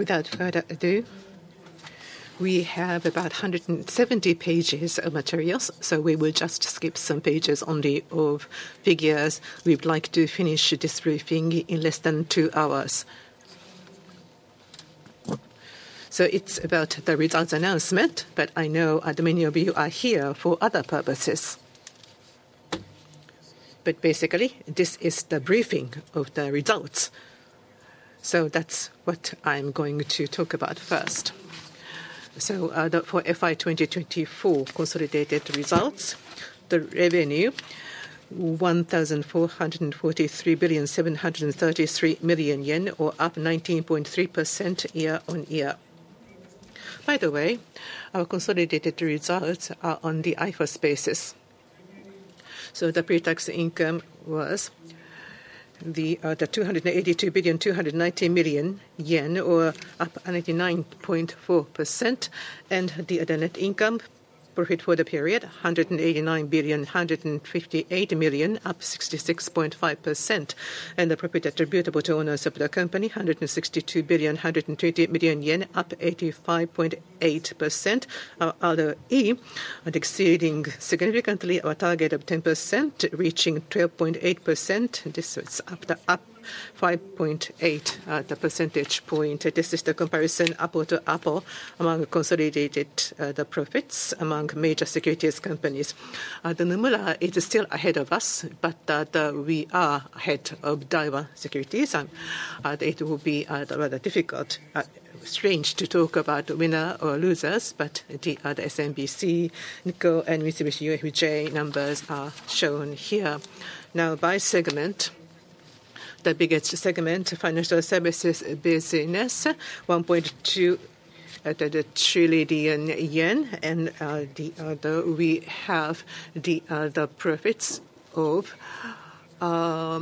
Without further ado, we have about 170 pages of materials, so we will just skip some pages on the figures. We'd like to finish this briefing in less than two hours. It's about the results announcement, but I know that many of you are here for other purposes. Basically, this is the briefing of the results. That's what I'm going to talk about first. For fiscal year 2024 consolidated results, the revenue: 1,443,733,000 yen, up 19.3% year on year. By the way, our consolidated results are on the IFRS basis. The pretax income was 282,290,000 yen, up 99.4%. The other net income profit for the period: 189,158,000, up 66.5%. The profit attributable to owners of the company: 162,128,000 yen, up 85.8%. Our ROE exceeding significantly our target of 10%, reaching 12.8%. This is up 5.8 percentage points. This is the comparison apple to apple among consolidated profits among major securities companies. The Nomura is still ahead of us, but we are ahead of Daiwa Securities. It will be rather difficult, strange to talk about winners or losers, but the SMBC Nikko and Mitsubishi UFJ numbers are shown here. Now, by segment, the biggest segment, financial services business, 1.2 trillion yen, and we have the profits of more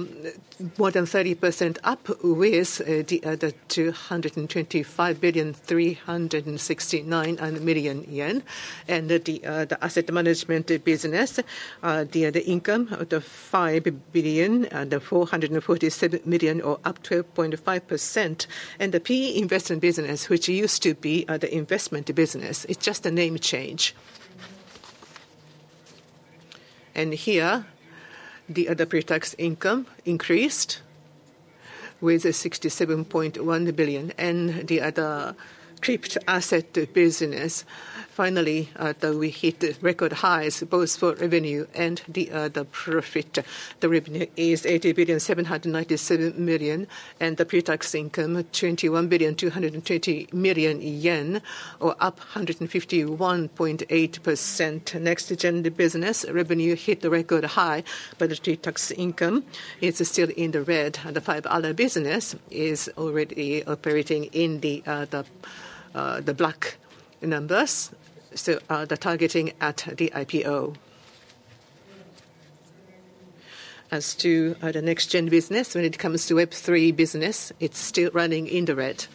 than 30% up with the other 225,369,000 yen, and the asset management business, the income of 5,447,000, or up 12.5%. The PE investment business, which used to be the investment business, it's just a name change. Here, the other pretax income increased with 67.1 billion, and the other crypto-asset business. Finally, we hit record highs both for revenue and the other profit. The revenue is 80,797,000, and the pretax income 21,220,000 yen, or up 151.8%. Next-gen business revenue hit the record high, but the pretax income is still in the red. The five other businesses are already operating in the black numbers, so they're targeting at the IPO. As to the next-gen business, when it comes to Web3 business, it's still running in the red.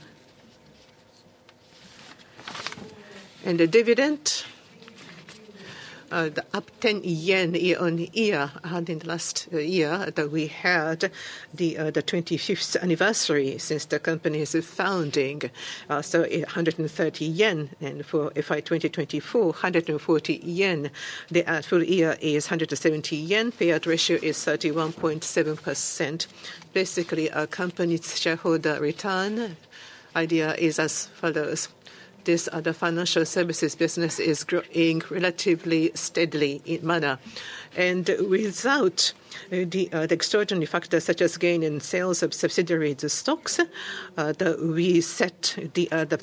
The dividend, up JPY 10,000,000 on the last year that we had the 25th anniversary since the company's founding. 130,000 yen, and for fiscal year 2024, 140,000 yen. The actual year is 170,000 yen. Payout ratio is 31.7%. Basically, a company's shareholder return idea is as follows. This other financial services business is growing relatively steadily in mana. Without the extraordinary factors such as gain in sales of subsidiary stocks, we set the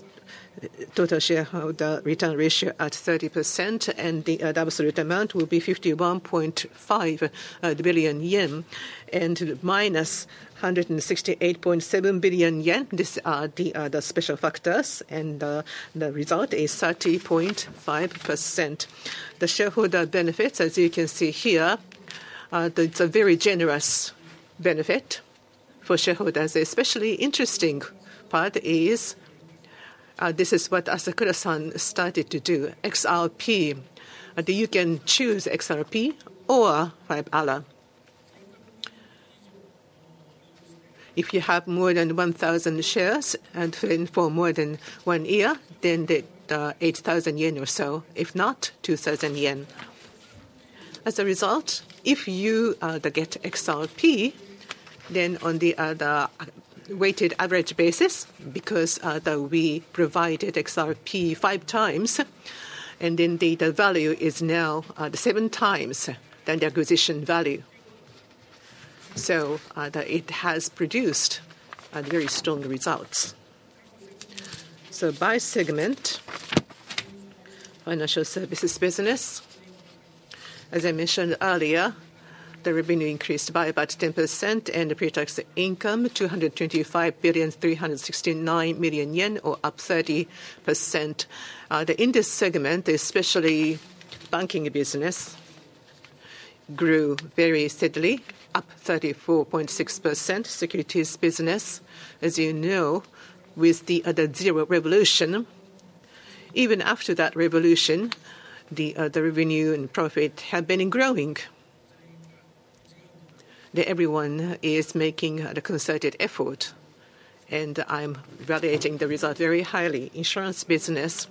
total shareholder return ratio at 30%, and the absolute amount will be 51.5 billion yen, and minus 168.7 billion yen. These are the other special factors, and the result is 30.5%. The shareholder benefits, as you can see here, it's a very generous benefit for shareholders. The especially interesting part is this is what Asakura-san started to do, XRP. You can choose XRP or Fibala. If you have more than 1,000 shares and for more than one year, then the 8,000 yen or so. If not, 2,000 yen. As a result, if you get XRP, then on the other weighted average basis, because we provided XRP five times, and then the value is now seven times the acquisition value. It has produced very strong results. By segment, financial services business, as I mentioned earlier, the revenue increased by about 10%, and the pretax income 225,369,000 yen, or up 30%. The industry segment, especially banking business, grew very steadily, up 34.6%. Securities business, as you know, with the other zero revolution, even after that revolution, the other revenue and profit have been growing. Everyone is making the concerted effort, and I'm valuating the result very highly. Insurance business,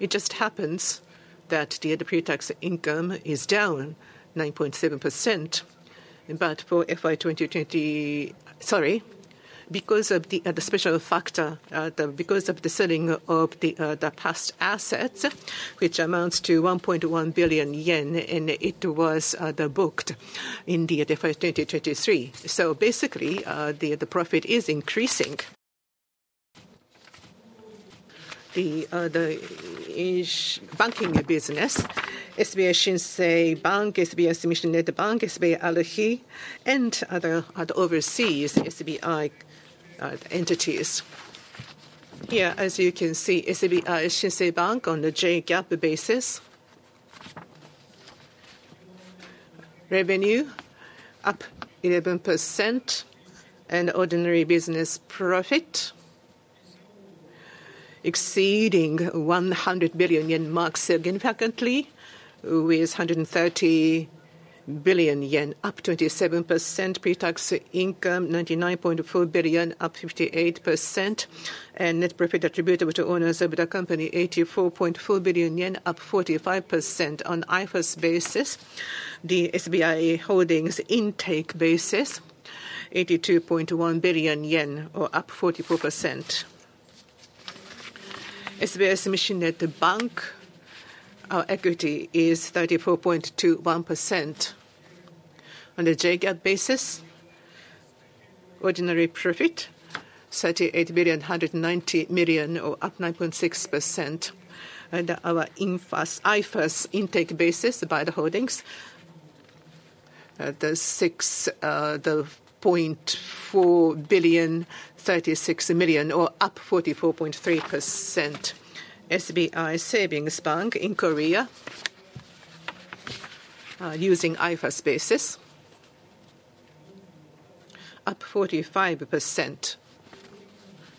it just happens that the pretax income is down 9.7%. For fiscal year 2020, sorry, because of the other special factor, because of the selling of the past assets, which amounts to 1.1 billion yen, and it was booked in the fiscal year 2023. Basically, the profit is increasing. The banking business, SBI Shinsei Bank, SBI Sumishin Net Bank, SBI ALApport, and other overseas SBI entities. Here, as you can see, SBI Shinsei Bank on the J-GAAP basis, revenue up 11%, and ordinary business profit exceeding 100 billion yen marked significantly, with 130 billion yen, up 27%. Pretax income 99.4 billion, up 58%, and net profit attributable to owners of the company 84.4 billion yen, up 45% on IFRS basis. The SBI Holdings intake basis, 82.1 billion yen, or up 44%. SBI Sumishin Net Bank, our equity is 34.21% on the J-GAAP basis. Ordinary profit 38.19 billion, or up 9.6%. Our IFRS intake basis by the holdings, 6.4 billion, 36 billion, or up 44.3%. SBI Savings Bank in Korea, using IFRS basis, up 45%.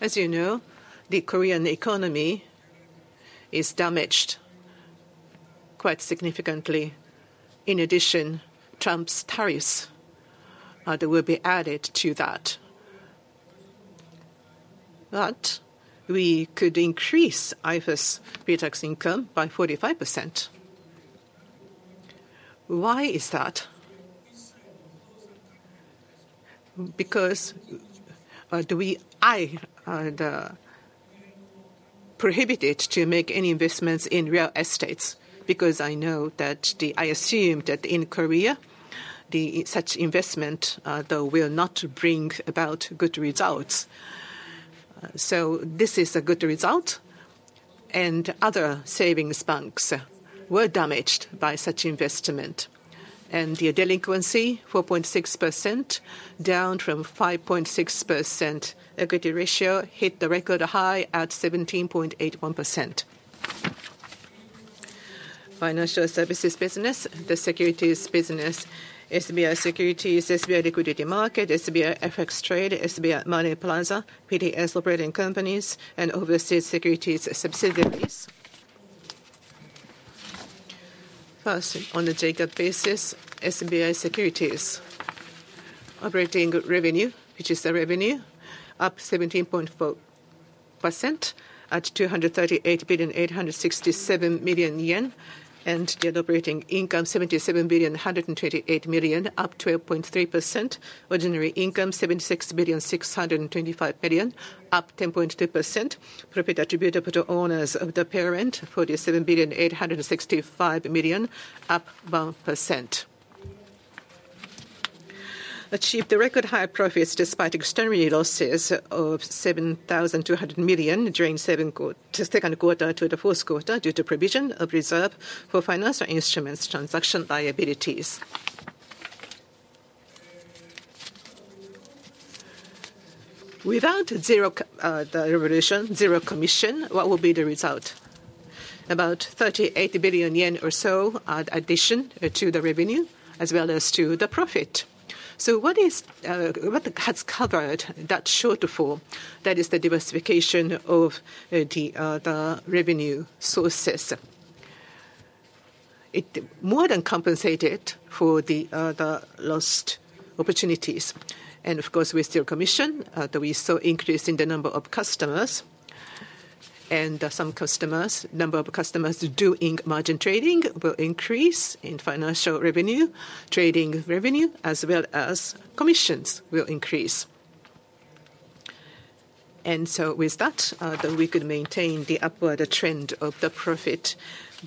As you know, the Korean economy is damaged quite significantly. In addition, Trump's tariffs will be added to that. We could increase IFRS pretax income by 45%. Why is that? Because I prohibited to make any investments in real estate, because I know that I assume that in Korea, such investment will not bring about good results. This is a good result. Other savings banks were damaged by such investment. The delinquency, 4.6%, down from 5.6%. Equity ratio hit the record high at 17.81%. Financial services business, the securities business, SBI Securities, SBI Liquidity Market, SBI FX Trade, SBI Money Plaza, PDS operating companies, and overseas securities subsidiaries. First, on the J-GAAP basis, SBI Securities operating revenue, which is the revenue, up 17.4% at 238,867,000 yen, and the operating income 77,128,000, up 12.3%. Ordinary income 76,625,000, up 10.2%. Profit attributable to owners of the parent, 47,865,000, up 1%. Achieved the record high profits despite external losses of 7,200,000 during second quarter to the fourth quarter due to provision of reserve for financial instruments transaction liabilities. Without zero revolution, zero commission, what will be the result? About 38,000,000,000 yen or so addition to the revenue, as well as to the profit. What has covered that shortfall? That is the diversification of the revenue sources. It more than compensated for the lost opportunities. Of course, with zero commission, we saw an increase in the number of customers. Some customers, number of customers doing margin trading will increase in financial revenue, trading revenue, as well as commissions will increase. With that, we could maintain the upward trend of the profit,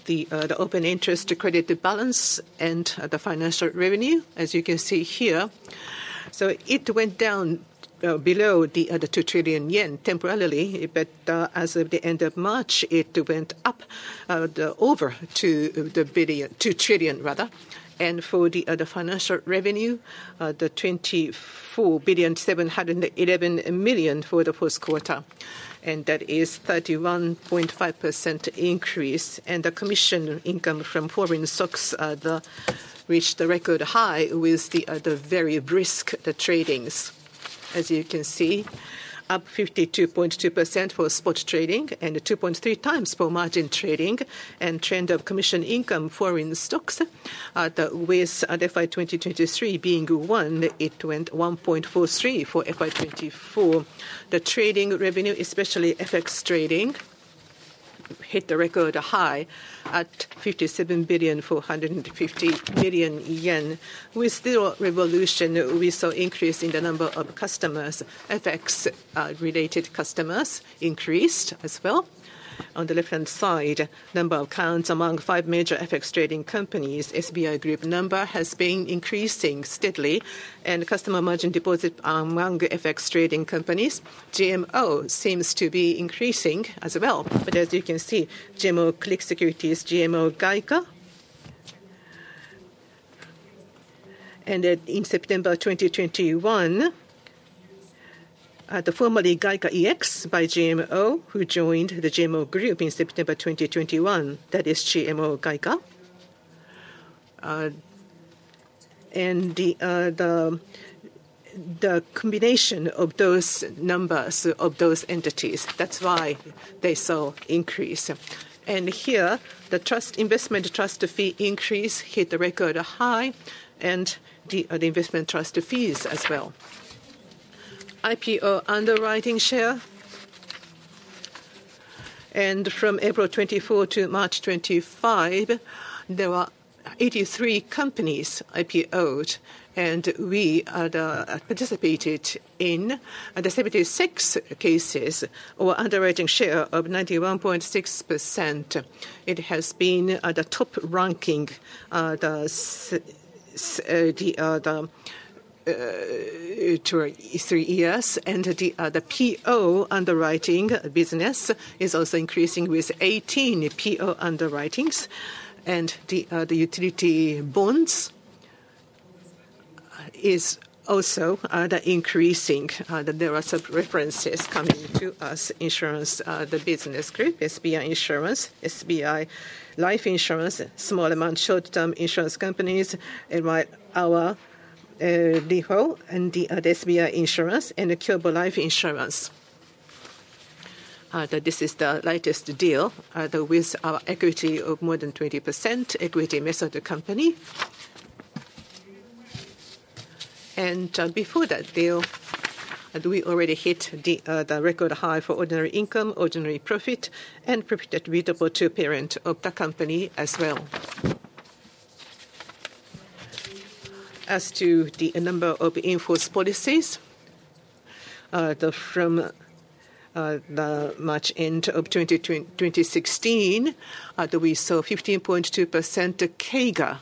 the open interest credit balance, and the financial revenue, as you can see here. It went down below the 2 trillion yen temporarily, but as of the end of March, it went up over to the billion, 2 trillion, rather. For the other financial revenue, the 24,711,000,000 for the fourth quarter. That is a 31.5% increase. The commission income from foreign stocks reached the record high with the other very brisk tradings. As you can see, up 52.2% for spot trading and 2.3 times for margin trading. Trend of commission income foreign stocks, with fiscal year 2023 being one, it went 1.43 for fiscal year 2024. The trading revenue, especially FX trading, hit the record high at 57,450,000,000 yen. With Zero Revolution, we saw an increase in the number of customers, FX-related customers increased as well. On the left-hand side, number of accounts among five major FX trading companies, SBI Group number has been increasing steadily. Customer margin deposit among FX trading companies, GMO seems to be increasing as well. As you can see, GMO Click Securities, GMO Gaika. In September 2021, the formerly Gaika ex by GMO, who joined the GMO Group in September 2021, that is GMO Gaika. The combination of those numbers of those entities, that is why they saw increase. Here, the trust investment trust fee increase hit the record high, and the investment trust fees as well. IPO underwriting share. From April 2024 to March 2025, there were 83 companies IPO'd. We participated in 76 cases, or an underwriting share of 91.6%. It has been the top ranking for three years. The PO underwriting business is also increasing with 18 PO underwritings. The utility bonds are also increasing. There are some references coming to us: insurance, the business group, SBI Insurance, SBI Life Insurance, small amount short-term insurance companies, and our Liho, and the SBI Insurance, and the Kyobo Life Insurance. This is the latest deal with our equity of more than 20%, equity-based company. Before that deal, we already hit the record high for ordinary income, ordinary profit, and profit attributable to parent of the company as well. As to the number of enforced policies, from the March end of 2016, we saw 15.2% CAGR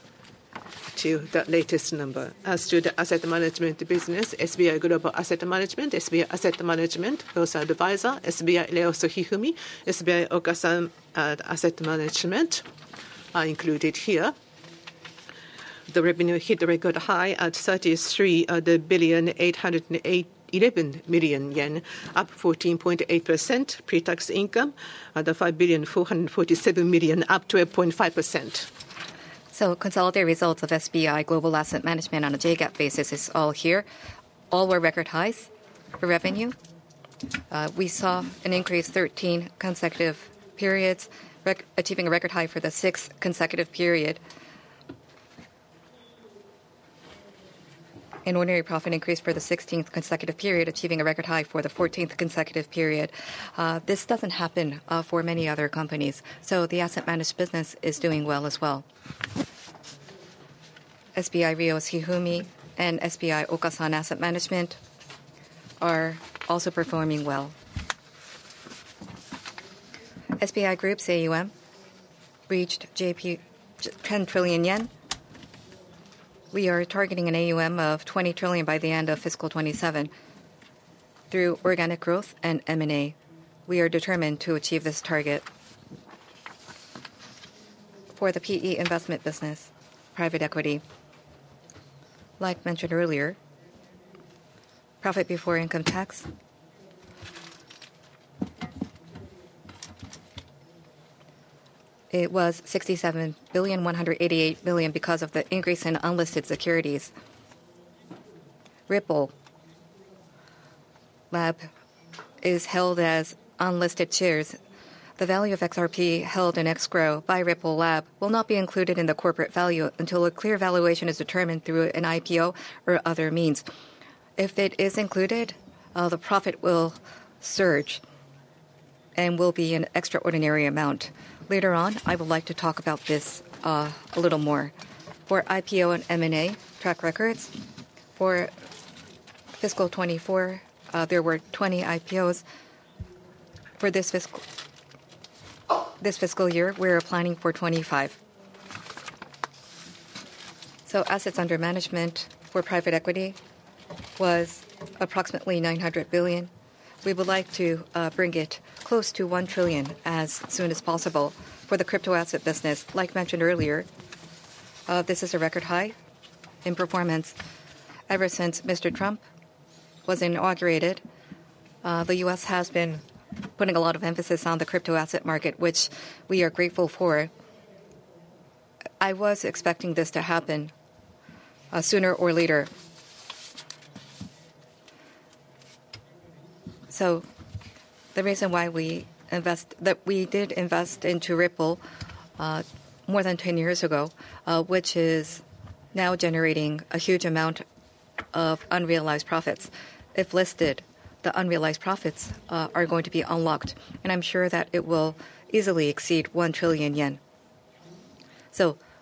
to that latest number. As to the asset management business, SBI Global Asset Management, SBI Asset Management, Those Advisor, SBI Reosu Hifumi, SBI Ogasan Asset Management are included here. The revenue hit the record high at 33,811,000,000 yen, up 14.8%. Pretax income 5,447,000,000, up 12.5%. Consolidated results of SBI Global Asset Management on a J-GAAP basis is all here. All were record highs for revenue. We saw an increase 13 consecutive periods, achieving a record high for the sixth consecutive period. An ordinary profit increase for the 16th consecutive period, achieving a record high for the 14th consecutive period. This does not happen for many other companies. The asset management business is doing well as well. SBI Reosu Hifumi and SBI Ogasan Asset Management are also performing well. SBI Group's AUM reached 10 trillion yen. We are targeting an AUM of 20 trillion by the end of fiscal 2027 through organic growth and M&A. We are determined to achieve this target. For the PE investment business, private equity, like mentioned earlier, profit before income tax. It was 67.188 billion because of the increase in unlisted securities. Ripple Labs is held as unlisted shares. The value of XRP held in escrow by Ripple Labs will not be included in the corporate value until a clear valuation is determined through an IPO or other means. If it is included, the profit will surge and will be an extraordinary amount. Later on, I would like to talk about this a little more. For IPO and M&A track records, for fiscal 2024, there were 20 IPOs. For this fiscal year, we're planning for 25. Assets under management for private equity was approximately 900 million. We would like to bring it close to 1 trillion as soon as possible for the crypto-asset business, like mentioned earlier. This is a record high in performance. Ever since Mr. Trump was inaugurated, the U.S. has been putting a lot of emphasis on the crypto-asset market, which we are grateful for. I was expecting this to happen sooner or later. The reason why we invest, that we did invest into Ripple more than 10 years ago, which is now generating a huge amount of unrealized profits. If listed, the unrealized profits are going to be unlocked. I am sure that it will easily exceed 1 trillion yen.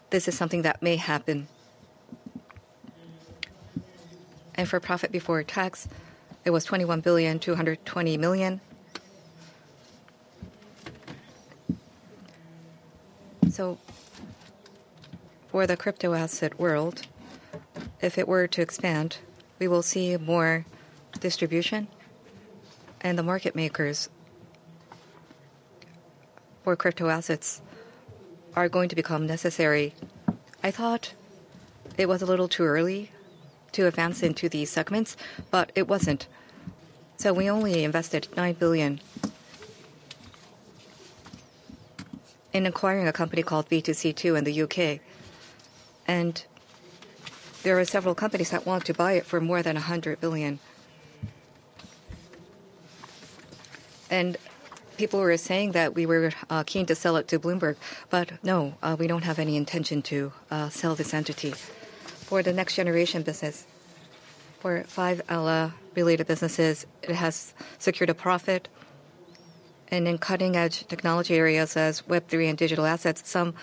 This is something that may happen. For profit before tax, it was 21,220,000,000. For the crypto-asset world, if it were to expand, we will see more distribution. The market makers for crypto-assets are going to become necessary. I thought it was a little too early to advance into these segments, but it was not. We only invested JPY 9 billion in acquiring a company called B2C2 in the U.K. There are several companies that want to buy it for more than 100 billion. People were saying that we were keen to sell it to Bloomberg, but no, we do not have any intention to sell this entity for the next generation business. For five related businesses, it has secured a profit. In cutting-edge technology areas such as Web3 and digital assets, some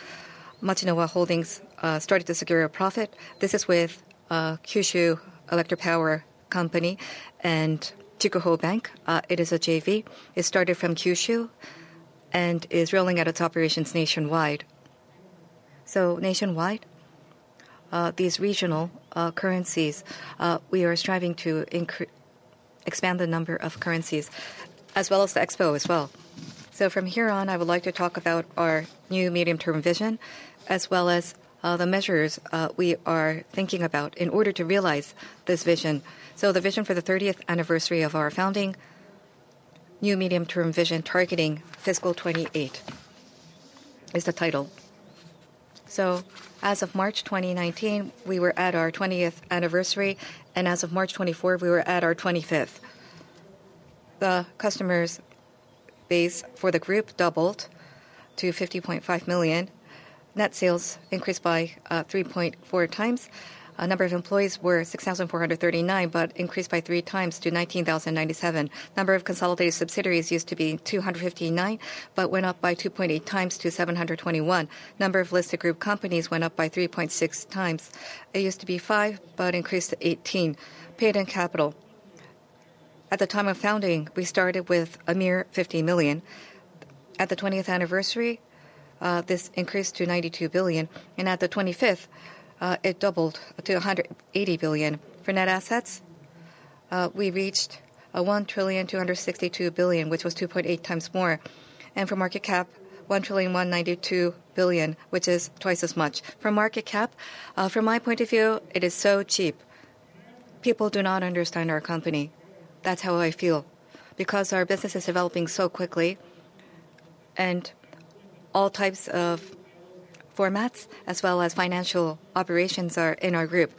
Matsunawa Holdings started to secure a profit. This is with Kyushu Electric Power Company and Chikuho Bank. It is a J-V. It started from Kyushu and is rolling out its operations nationwide. Nationwide, these regional currencies, we are striving to expand the number of currencies as well as the expo as well. From here on, I would like to talk about our new medium-term vision as well as the measures we are thinking about in order to realize this vision. The vision for the 30th anniversary of our founding, new medium-term vision targeting fiscal 2028 is the title. As of March 2019, we were at our 20th anniversary. As of March 2024, we were at our 25th. The customer base for the group doubled to 50,500,000. Net sales increased by 3.4 times. The number of employees was 6,439, but increased by 3 times to 19,097. The number of consolidated subsidiaries used to be 259, but went up by 2.8 times to 721. The number of listed group companies went up by 3.6 times. It used to be 5, but increased to 18. Paid-in capital. At the time of founding, we started with a mere 50,000,000. At the 20th anniversary, this increased to 92 million. And at the 25th, it doubled to 180 million. For net assets, we reached 1,262 million, which was 2.8 times more. And for market cap, 1,192 million, which is twice as much. For market cap, from my point of view, it is so cheap. People do not understand our company. That's how I feel. Because our business is developing so quickly. And all types of formats, as well as financial operations, are in our group.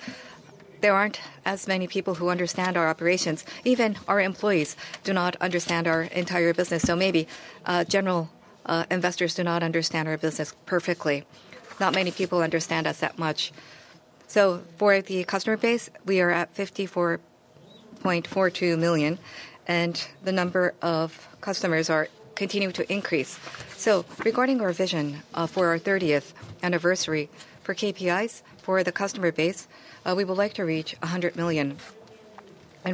There aren't as many people who understand our operations. Even our employees do not understand our entire business. So maybe general investors do not understand our business perfectly. Not many people understand us that much. So for the customer base, we are at 54.42 million. And the number of customers are continuing to increase. Regarding our vision for our 30th anniversary, for KPIs, for the customer base, we would like to reach 100 million.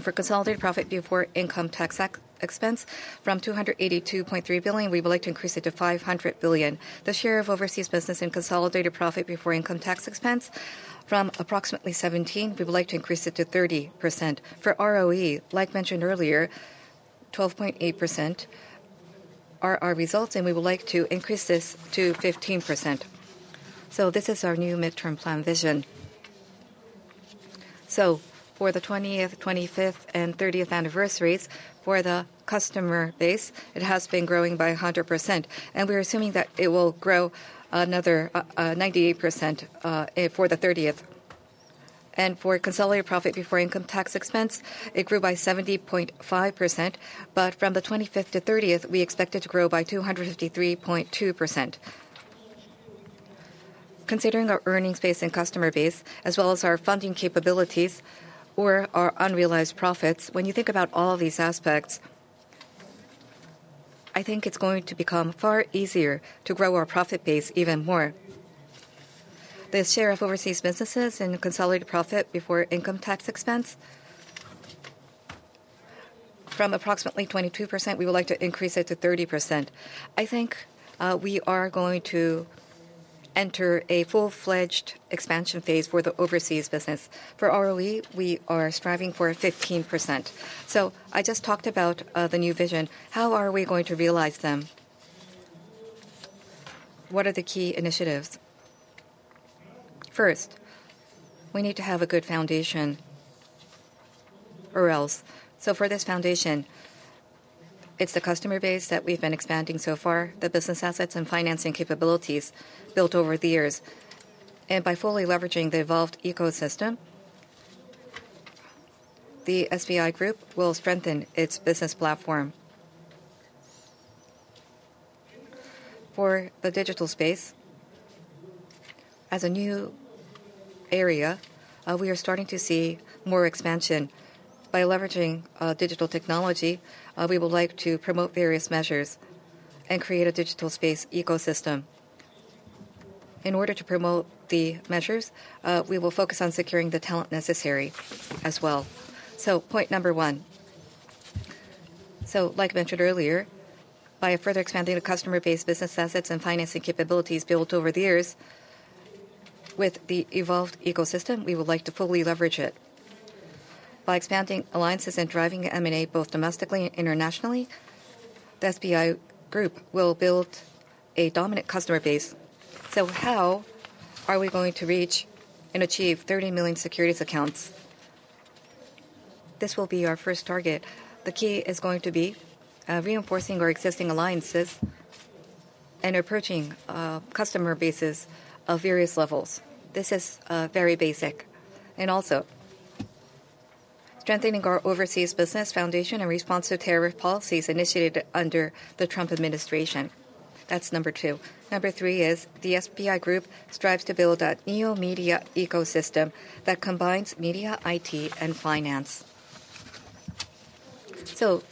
For consolidated profit before income tax expense, from 282.3 million, we would like to increase it to 500 million. The share of overseas business in consolidated profit before income tax expense, from approximately 17 million, we would like to increase it to 30%. For ROE, like mentioned earlier, 12.8% are our results. We would like to increase this to 15%. This is our new midterm plan vision. For the 20th, 25th, and 30th anniversaries, for the customer base, it has been growing by 100%. We are assuming that it will grow another 98% for the 30th. For consolidated profit before income tax expense, it grew by 70.5%. From the 25th to 30th, we expect it to grow by 253.2%. Considering our earnings base and customer base, as well as our funding capabilities or our unrealized profits, when you think about all these aspects, I think it's going to become far easier to grow our profit base even more. The share of overseas businesses in consolidated profit before income tax expense, from approximately 22%, we would like to increase it to 30%. I think we are going to enter a full-fledged expansion phase for the overseas business. For ROE, we are striving for 15%. I just talked about the new vision. How are we going to realize them? What are the key initiatives? First, we need to have a good foundation or else. For this foundation, it's the customer base that we've been expanding so far, the business assets and financing capabilities built over the years. By fully leveraging the evolved ecosystem, the SBI Group will strengthen its business platform. For the digital space, as a new area, we are starting to see more expansion. By leveraging digital technology, we would like to promote various measures and create a digital space ecosystem. In order to promote the measures, we will focus on securing the talent necessary as well. Point number one. Like mentioned earlier, by further expanding the customer-based business assets and financing capabilities built over the years, with the evolved ecosystem, we would like to fully leverage it. By expanding alliances and driving M&A both domestically and internationally, the SBI Group will build a dominant customer base. How are we going to reach and achieve 30 million securities accounts? This will be our first target. The key is going to be reinforcing our existing alliances and approaching customer bases of various levels. This is very basic. Also, strengthening our overseas business foundation in response to tariff policies initiated under the Trump administration. That's number two. Number three is the SBI Group strives to build a new media ecosystem that combines media, IT, and finance. To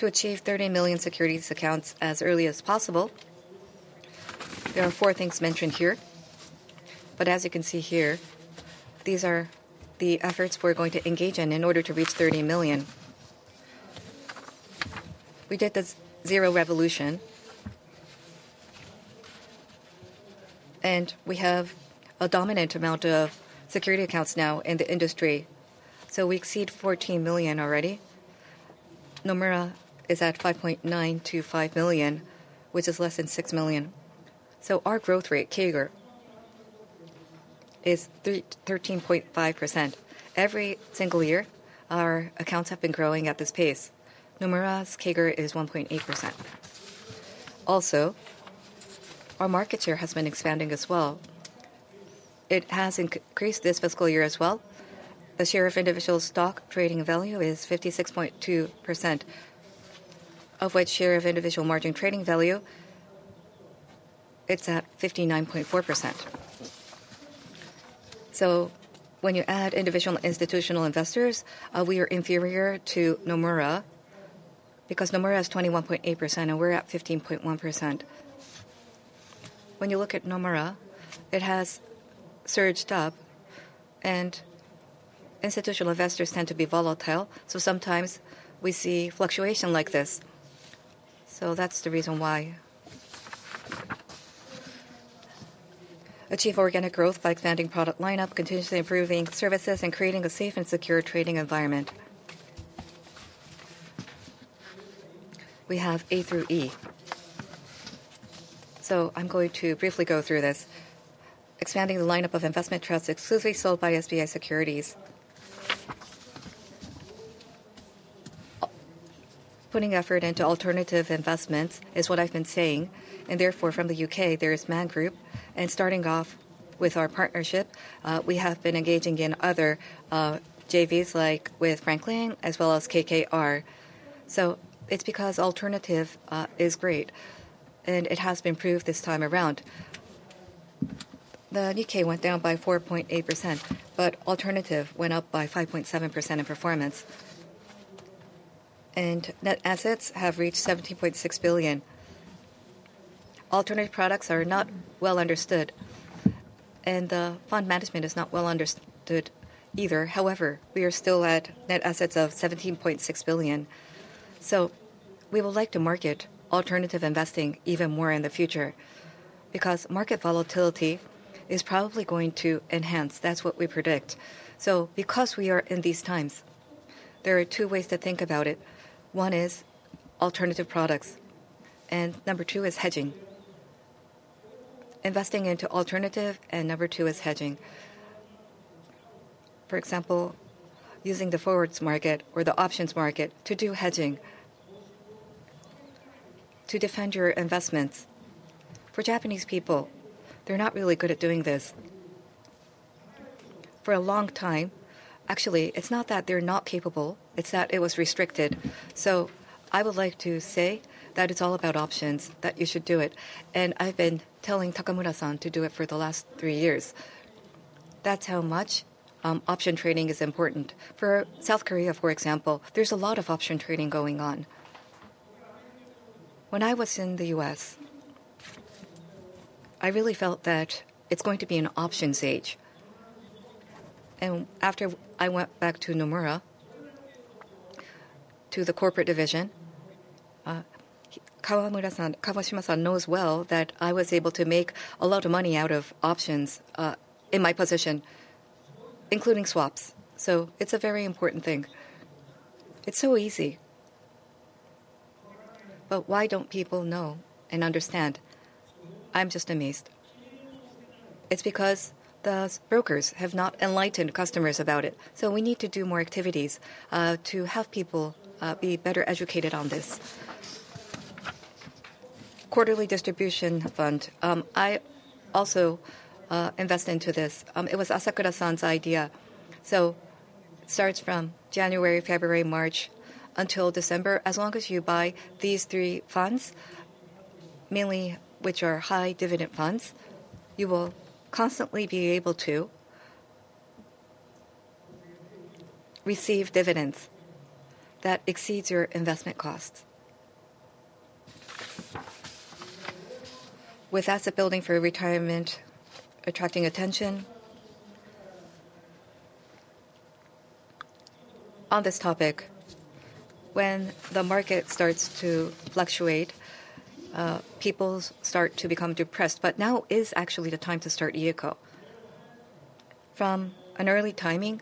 achieve 30 million securities accounts as early as possible, there are four things mentioned here. As you can see here, these are the efforts we're going to engage in in order to reach 30 million. We did the Zero Revolution. We have a dominant amount of security accounts now in the industry. We exceed 14 million already. Nomura is at 5.925 million, which is less than 6 million. Our growth rate, CAGR, is 13.5%. Every single year, our accounts have been growing at this pace. Nomura's CAGR is 1.8%. Also, our market share has been expanding as well. It has increased this fiscal year as well. The share of individual stock trading value is 56.2%, of which share of individual margin trading value, it's at 59.4%. When you add individual institutional investors, we are inferior to Nomura because Nomura is 21.8% and we're at 15.1%. When you look at Nomura, it has surged up. Institutional investors tend to be volatile. Sometimes we see fluctuation like this. That's the reason why. Achieve organic growth by expanding product lineup, continuously improving services, and creating a safe and secure trading environment. We have A through E. I'm going to briefly go through this. Expanding the lineup of investment trusts exclusively sold by SBI Securities. Putting effort into alternative investments is what I've been saying. Therefore, from the U.K., there is MAN Group. Starting off with our partnership, we have been engaging in other J-Vs like with Franklin as well as KKR. It is because alternative is great. It has been proved this time around. The U.K. went down by 4.8%, but alternative went up by 5.7% in performance. Net assets have reached 17.6 billion. Alternative products are not well understood. The fund management is not well understood either. However, we are still at net assets of 17.6 billion. We would like to market alternative investing even more in the future because market volatility is probably going to enhance. That is what we predict. Because we are in these times, there are two ways to think about it. One is alternative products. Number two is hedging. Investing into alternative and number two is hedging. For example, using the forwards market or the options market to do hedging to defend your investments. For Japanese people, they're not really good at doing this. For a long time, actually, it's not that they're not capable. It's that it was restricted. I would like to say that it's all about options, that you should do it. I've been telling Takamura-san to do it for the last three years. That's how much option trading is important. For South Korea, for example, there's a lot of option trading going on. When I was in the U.S., I really felt that it's going to be an options age. After I went back to Nomura, to the corporate division, Kawashima-san knows well that I was able to make a lot of money out of options in my position, including swaps. It is a very important thing. It is so easy. Why do not people know and understand? I am just amazed. It is because the brokers have not enlightened customers about it. We need to do more activities to have people be better educated on this. Quarterly distribution fund. I also invest into this. It was Asakura-san's idea. It starts from January, February, March until December. As long as you buy these three funds, mainly which are high dividend funds, you will constantly be able to receive dividends that exceed your investment costs. With asset building for retirement attracting attention. On this topic, when the market starts to fluctuate, people start to become depressed. Now is actually the time to start IDECO. From an early timing,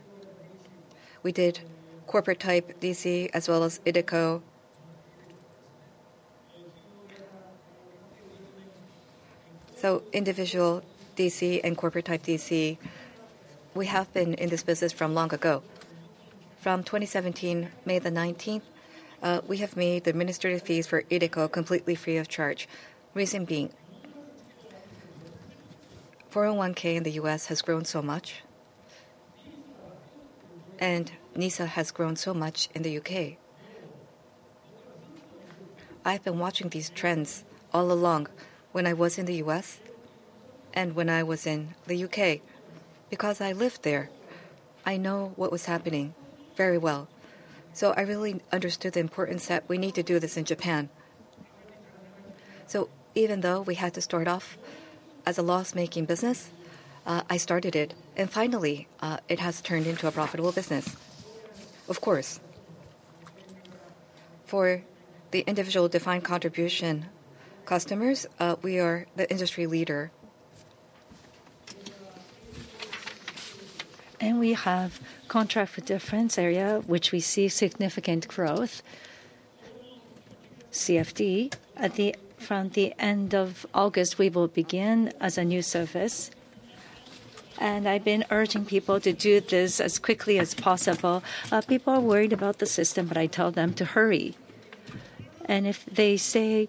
we did corporate type DC as well as IDECO. Individual DC and corporate type DC. We have been in this business from long ago. From May 19, 2017, we have made the administrative fees for IDECO completely free of charge. Reason being, 401(k) in the U.S. has grown so much. And NISA has grown so much in the U.K. I've been watching these trends all along when I was in the U.S. and when I was in the U.K. Because I lived there, I know what was happening very well. I really understood the importance that we need to do this in Japan. Even though we had to start off as a loss-making business, I started it. Finally, it has turned into a profitable business. Of course. For the individual defined contribution customers, we are the industry leader. We have contract for defense area, which we see significant growth. CFD, from the end of August, we will begin as a new service. I have been urging people to do this as quickly as possible. People are worried about the system, but I tell them to hurry. If they say,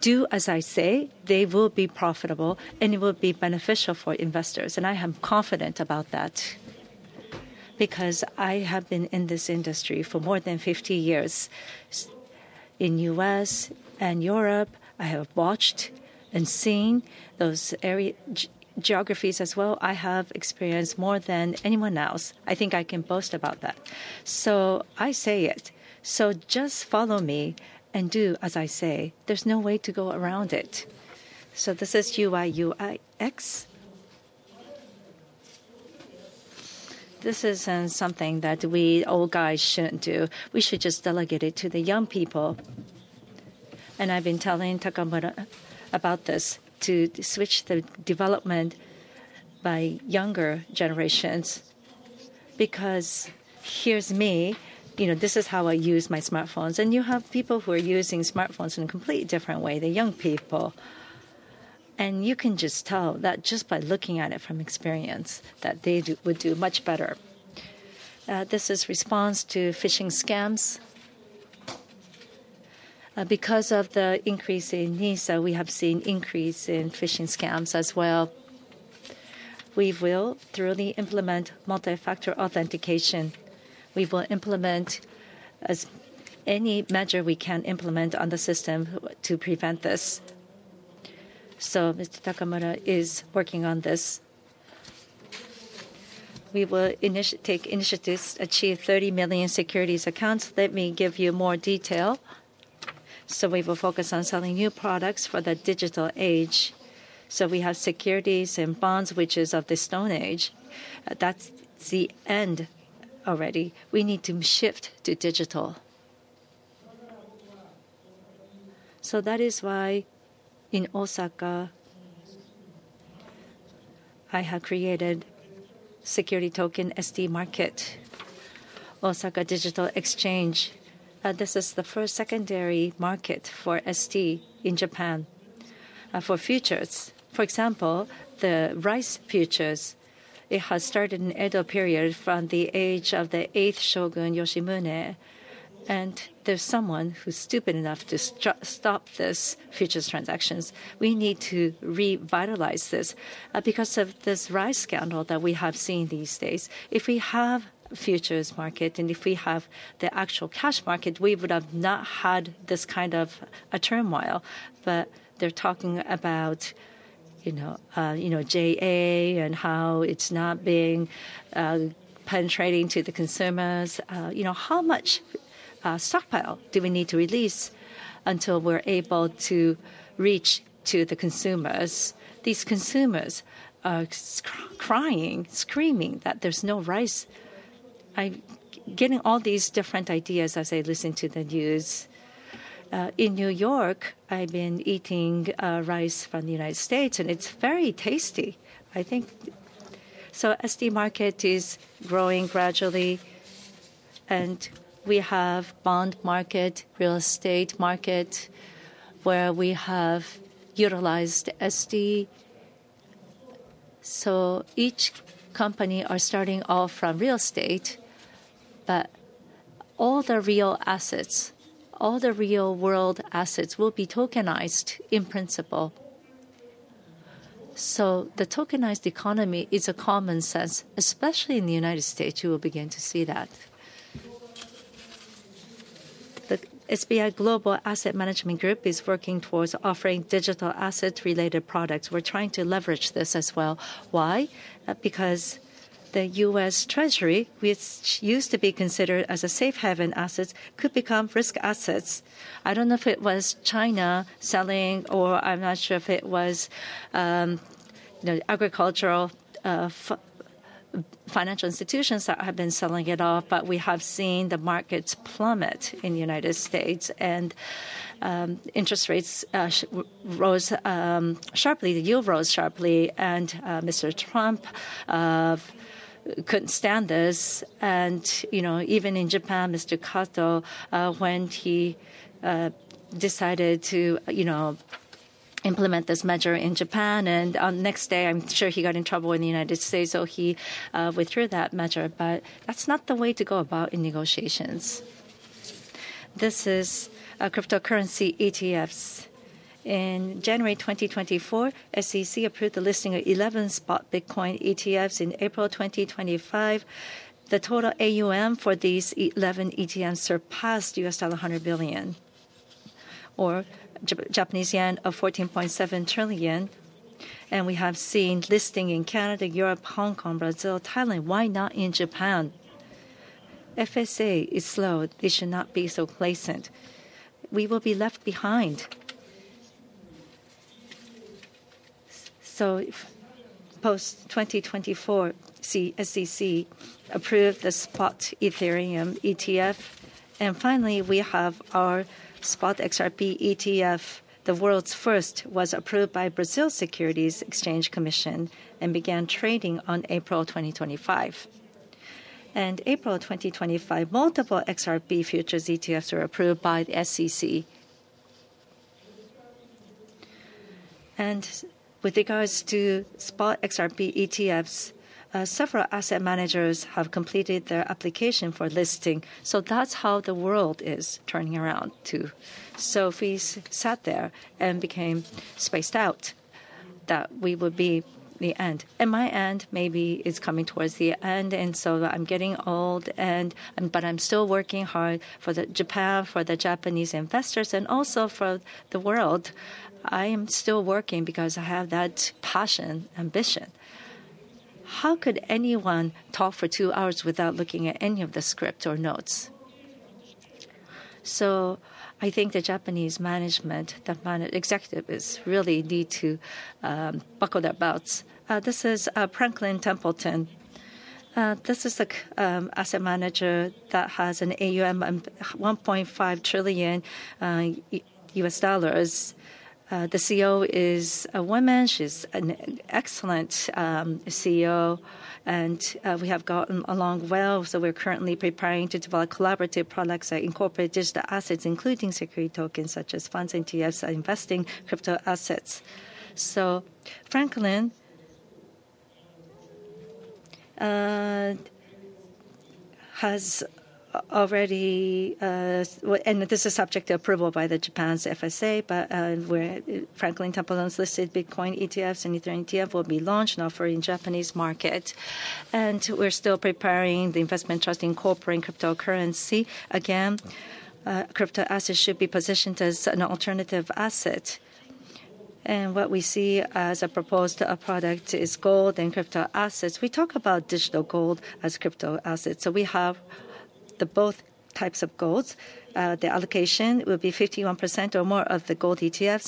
"Do as I say," they will be profitable and it will be beneficial for investors. I am confident about that because I have been in this industry for more than 50 years. In the U.S. and Europe, I have watched and seen those geographies as well. I have experienced more than anyone else. I think I can boast about that. I say it. Just follow me and do as I say. There is no way to go around it. This is UI/UX. This is not something that we old guys should not do. We should just delegate it to the young people. I have been telling Takamura about this to switch the development by younger generations. Because here is me. This is how I use my smartphones. You have people who are using smartphones in a completely different way than young people. You can just tell that just by looking at it from experience that they would do much better. This is response to phishing scams. Because of the increase in NISA, we have seen increase in phishing scams as well. We will thoroughly implement multi-factor authentication. We will implement as many measures we can implement on the system to prevent this. Mr. Takamura is working on this. We will take initiatives to achieve 30 million securities accounts. Let me give you more detail. We will focus on selling new products for the digital age. We have securities and bonds, which is of the stone age. That's the end already. We need to shift to digital. That is why in Osaka, I have created security token ST market, Osaka Digital Exchange. This is the first secondary market for ST in Japan for futures. For example, the rice futures, it has started in the Edo period from the age of the eighth shogun Yoshimune. There's someone who's stupid enough to stop these futures transactions. We need to revitalize this because of this rice scandal that we have seen these days. If we have a futures market and if we have the actual cash market, we would have not had this kind of turmoil. They're talking about JA and how it's not being penetrating to the consumers. How much stockpile do we need to release until we're able to reach to the consumers? These consumers are crying, screaming that there's no rice. I'm getting all these different ideas as I listen to the news. In New York, I've been eating rice from the United States, and it's very tasty, I think. ST market is growing gradually. We have bond market, real estate market, where we have utilized ST. Each company is starting off from real estate. All the real assets, all the real world assets will be tokenized in principle. The tokenized economy is a common sense, especially in the United States. You will begin to see that. The SBI Global Asset Management Group is working towards offering digital asset-related products. We're trying to leverage this as well. Why? Because the U.S. Treasury, which used to be considered as a safe haven asset, could become risk assets. I don't know if it was China selling or I'm not sure if it was agricultural financial institutions that have been selling it off. We have seen the markets plummet in the U.S. Interest rates rose sharply. The yield rose sharply. Mr. Trump couldn't stand this. Even in Japan, Mr. Kato went, he decided to implement this measure in Japan. The next day, I'm sure he got in trouble in the U.S. He withdrew that measure. That's not the way to go about in negotiations. This is cryptocurrency ETFs. In January 2024, SEC approved the listing of 11 spot Bitcoin ETFs. In April 2025, the total AUM for these 11 ETFs surpassed $100 billion or 14.7 trillion Japanese yen. We have seen listing in Canada, Europe, Hong Kong, Brazil, Thailand. Why not in Japan? FSA is slow. They should not be so blatant. We will be left behind. Post 2024, SEC approved the spot Ethereum ETF. Finally, we have our spot XRP ETF. The world's first was approved by Brazil Securities Exchange Commission and began trading on April 2025. In April 2025, multiple XRP futures ETFs were approved by the SEC. With regards to spot XRP ETFs, several asset managers have completed their application for listing. That is how the world is turning around too. We sat there and became spaced out that we would be the end. My end maybe is coming towards the end. I am getting old. I am still working hard for Japan, for the Japanese investors, and also for the world. I am still working because I have that passion, ambition. How could anyone talk for two hours without looking at any of the script or notes? I think the Japanese management, the executives really need to buckle their belts. This is Franklin Templeton. This is the asset manager that has an AUM of $1.5 trillion. The CEO is a woman. She's an excellent CEO. We have gotten along well. We are currently preparing to develop collaborative products that incorporate digital assets, including security tokens such as funds and ETFs and investing crypto assets. Franklin has already, and this is subject to approval by Japan's FSA. Franklin Templeton's listed Bitcoin ETFs and Ethereum ETF will be launched now for the Japanese market. We are still preparing the investment trust incorporating cryptocurrency again. Crypto assets should be positioned as an alternative asset. What we see as a proposed product is gold and crypto assets. We talk about digital gold as crypto assets. We have both types of gold. The allocation will be 51% or more of the gold ETFs.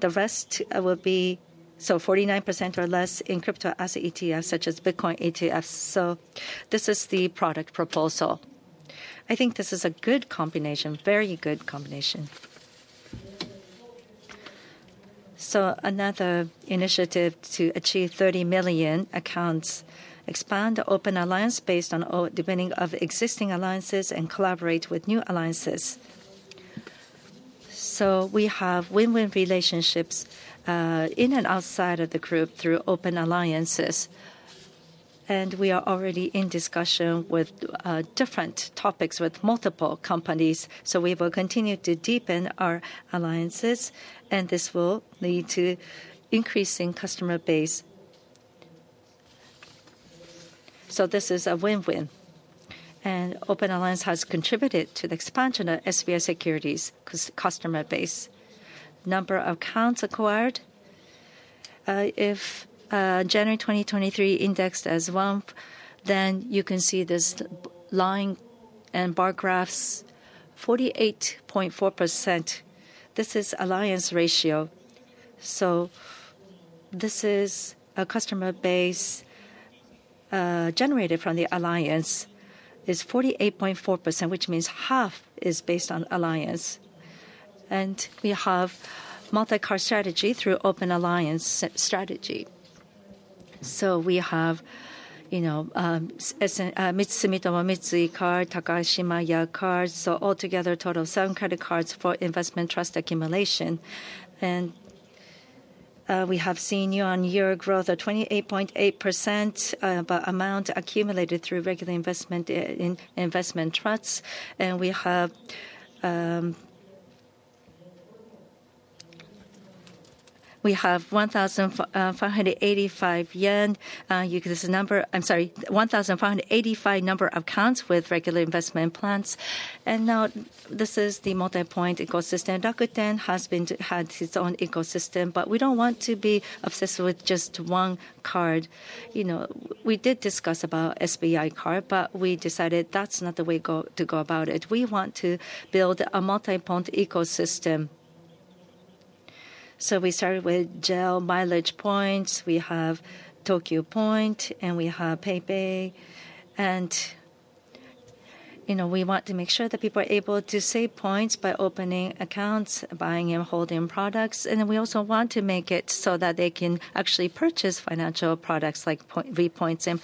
The rest will be 49% or less in crypto asset ETFs such as Bitcoin ETFs. This is the product proposal. I think this is a good combination, very good combination. Another initiative to achieve 30 million accounts is to expand the open alliance based on depending on existing alliances and collaborate with new alliances. We have win-win relationships in and outside of the group through open alliances. We are already in discussion with different topics with multiple companies. We will continue to deepen our alliances. This will lead to increasing customer base. This is a win-win. Open alliance has contributed to the expansion of SBI Securities customer base. Number of accounts acquired. If January 2023 indexed as one, then you can see this line and bar graphs, 48.4%. This is alliance ratio. This is a customer base generated from the alliance is 48.4%, which means half is based on alliance. We have multi-card strategy through open alliance strategy. We have Mitsumito Mitsui card, Takashima YA card. Altogether, a total of seven credit cards for investment trust accumulation. We have seen year-on-year growth of 28.8% by amount accumulated through regular investment trusts. We have 1,585 accounts with regular investment plans. Now this is the multi-point ecosystem. Dr. Ten has had his own ecosystem. We do not want to be obsessed with just one card. We did discuss about SBI card, but we decided that is not the way to go about it. We want to build a multi-point ecosystem. We started with JAL Mileage Points. We have Tokyo Point, and we have PayPay. We want to make sure that people are able to save points by opening accounts, buying and holding products. We also want to make it so that they can actually purchase financial products like VPoints and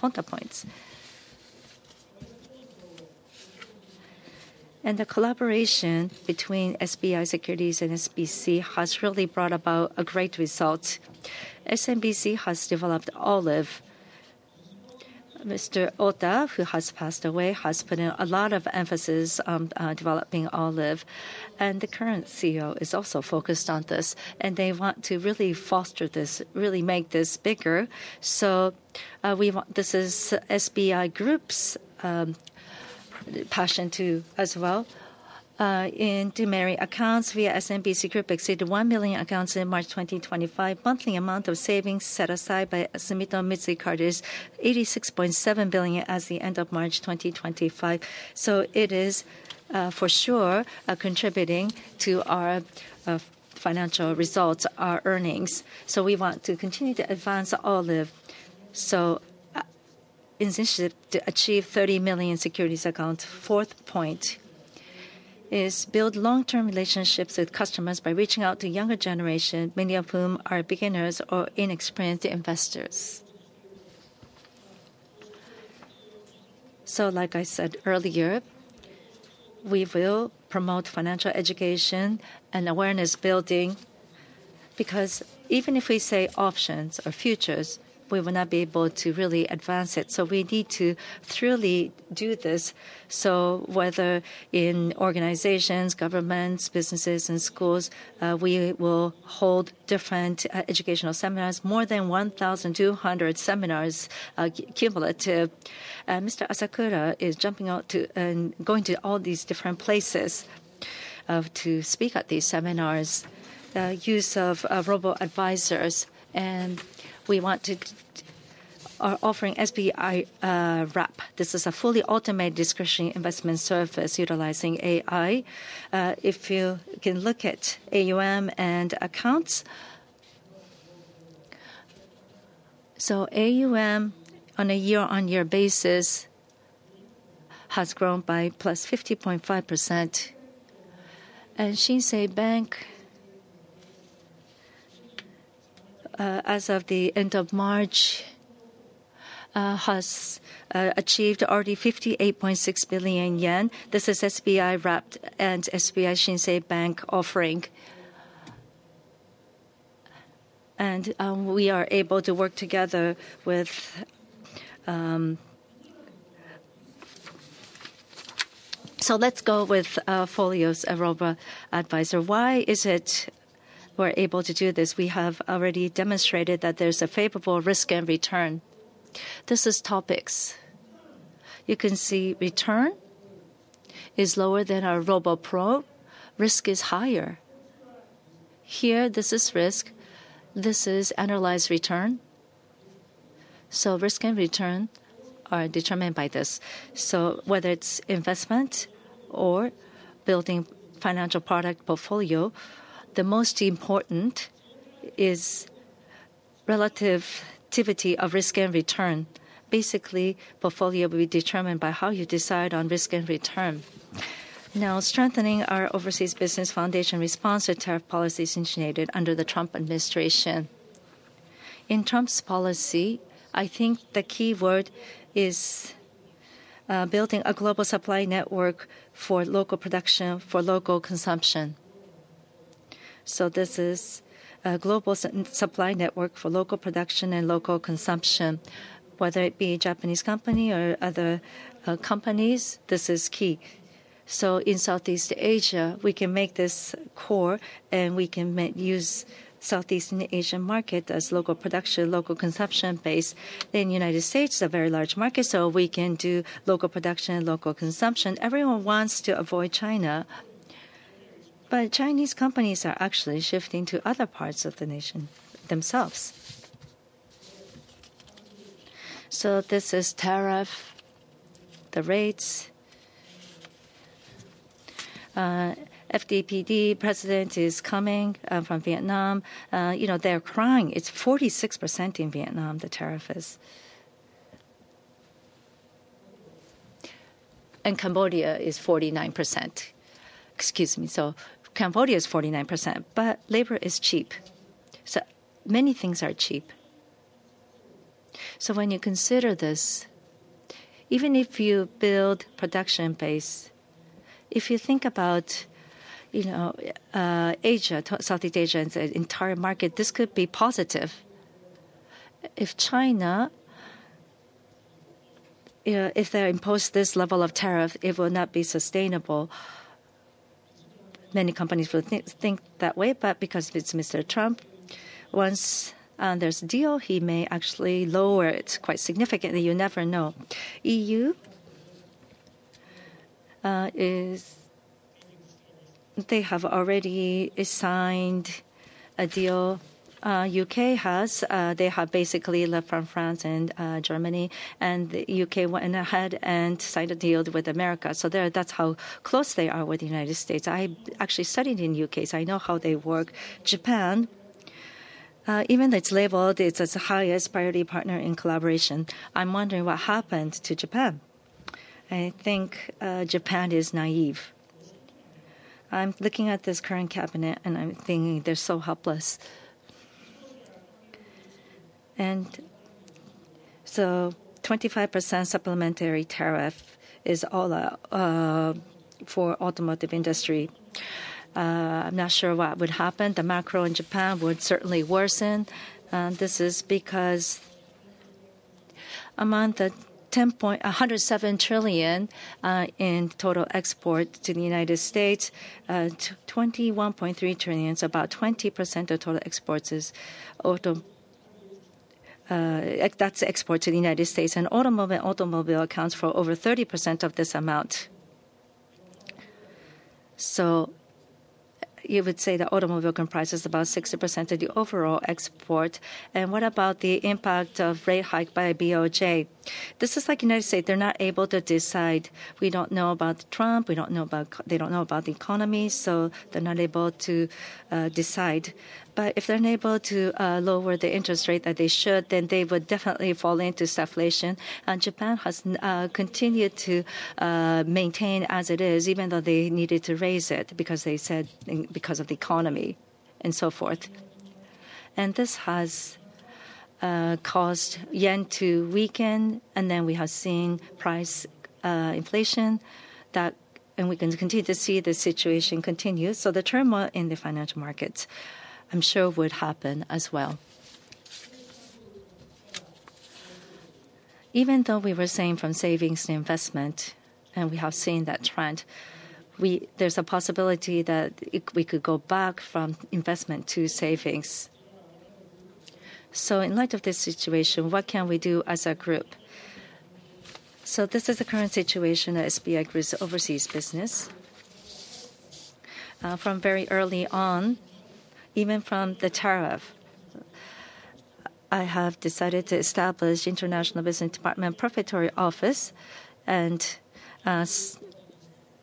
FantaPoints. The collaboration between SBI Securities and SMBC has really brought about a great result. SMBC has developed Olive. Mr. Ota, who has passed away, has put in a lot of emphasis on developing Olive. The current CEO is also focused on this. They want to really foster this, really make this bigger. This is SBI Group's passion too as well. In Dumeri, accounts via SMBC Group exceeded 1 million accounts in March 2025. Monthly amount of savings set aside by Sumitomo Mitsui Card is 86.7 billion at the end of March 2025. It is for sure contributing to our financial results, our earnings. We want to continue to advance Olive. In this initiative to achieve 30 million securities accounts, fourth point is build long-term relationships with customers by reaching out to younger generation, many of whom are beginners or inexperienced investors. Like I said earlier, we will promote financial education and awareness building because even if we say options or futures, we will not be able to really advance it. We need to thoroughly do this. Whether in organizations, governments, businesses, and schools, we will hold different educational seminars, more than 1,200 seminars cumulative. Mr. Asakura is jumping out to and going to all these different places to speak at these seminars, use of robo-advisors. We want to are offering SBI Wrap. This is a fully automated discretionary investment service utilizing AI. If you can look at AUM and accounts. AUM on a year-on-year basis has grown by +50.5%. Shinsei Bank, as of the end of March, has achieved already 58.6 billion yen. This is SBI Wrap and SBI Shinsei Bank offering. We are able to work together with. Let's go with Folios Robo Advisor. Why is it we're able to do this? We have already demonstrated that there's a favorable risk and return. This is topics. You can see return is lower than our RoboPro. Risk is higher. Here, this is risk. This is analyzed return. Risk and return are determined by this. Whether it's investment or building financial product portfolio, the most important is relative activity of risk and return. Basically, portfolio will be determined by how you decide on risk and return. Now, strengthening our overseas business foundation response to tariff policies initiated under the Trump administration. In Trump's policy, I think the key word is building a global supply network for local production for local consumption. This is a global supply network for local production and local consumption. Whether it be a Japanese company or other companies, this is key. In Southeast Asia, we can make this core. We can use Southeast Asian market as local production, local consumption base. In the United States, it's a very large market. We can do local production and local consumption. Everyone wants to avoid China. Chinese companies are actually shifting to other parts of the nation themselves. This is tariff, the rates. FDPD president is coming from Vietnam. You know, they're crying. It's 46% in Vietnam, the tariff is. And Cambodia is 49%. Excuse me. So Cambodia is 49%. But labor is cheap. So many things are cheap. So when you consider this, even if you build production base, if you think about, you know, Asia, Southeast Asia as an entire market, this could be positive. If China, if they impose this level of tariff, it will not be sustainable. Many companies will think that way. But because it's Mr. Trump, once there's a deal, he may actually lower it quite significantly. You never know. EU is they have already signed a deal. U.K. has. They have basically left from France and Germany. And the U.K. went ahead and signed a deal with America. So that's how close they are with the United States. I actually studied in the U.K., so I know how they work. Japan, even though it's labeled as the highest priority partner in collaboration, I'm wondering what happened to Japan. I think Japan is naive. I'm looking at this current cabinet, and I'm thinking they're so helpless. A 25% supplementary tariff is all for automotive industry. I'm not sure what would happen. The macro in Japan would certainly worsen. This is because among the 10.107 trillion in total export to the United States, 21.3 trillion is about 20% of total exports. That's export to the United States. And automobile accounts for over 30% of this amount. You would say the automobile comprises about 60% of the overall export. What about the impact of rate hike by BOJ? This is like the United States. They're not able to decide. We don't know about Trump. We don't know about they don't know about the economy. They're not able to decide. If they're unable to lower the interest rate that they should, then they would definitely fall into stagflation. Japan has continued to maintain as it is, even though they needed to raise it because they said because of the economy and so forth. This has caused yen to weaken. We have seen price inflation and we can continue to see the situation continue. The turmoil in the financial markets, I'm sure, would happen as well. Even though we were saying from savings to investment, and we have seen that trend, there's a possibility that we could go back from investment to savings. In light of this situation, what can we do as a group? This is the current situation of SBI Group's overseas business. From very early on, even from the tariff, I have decided to establish International Business Department Profitory Office and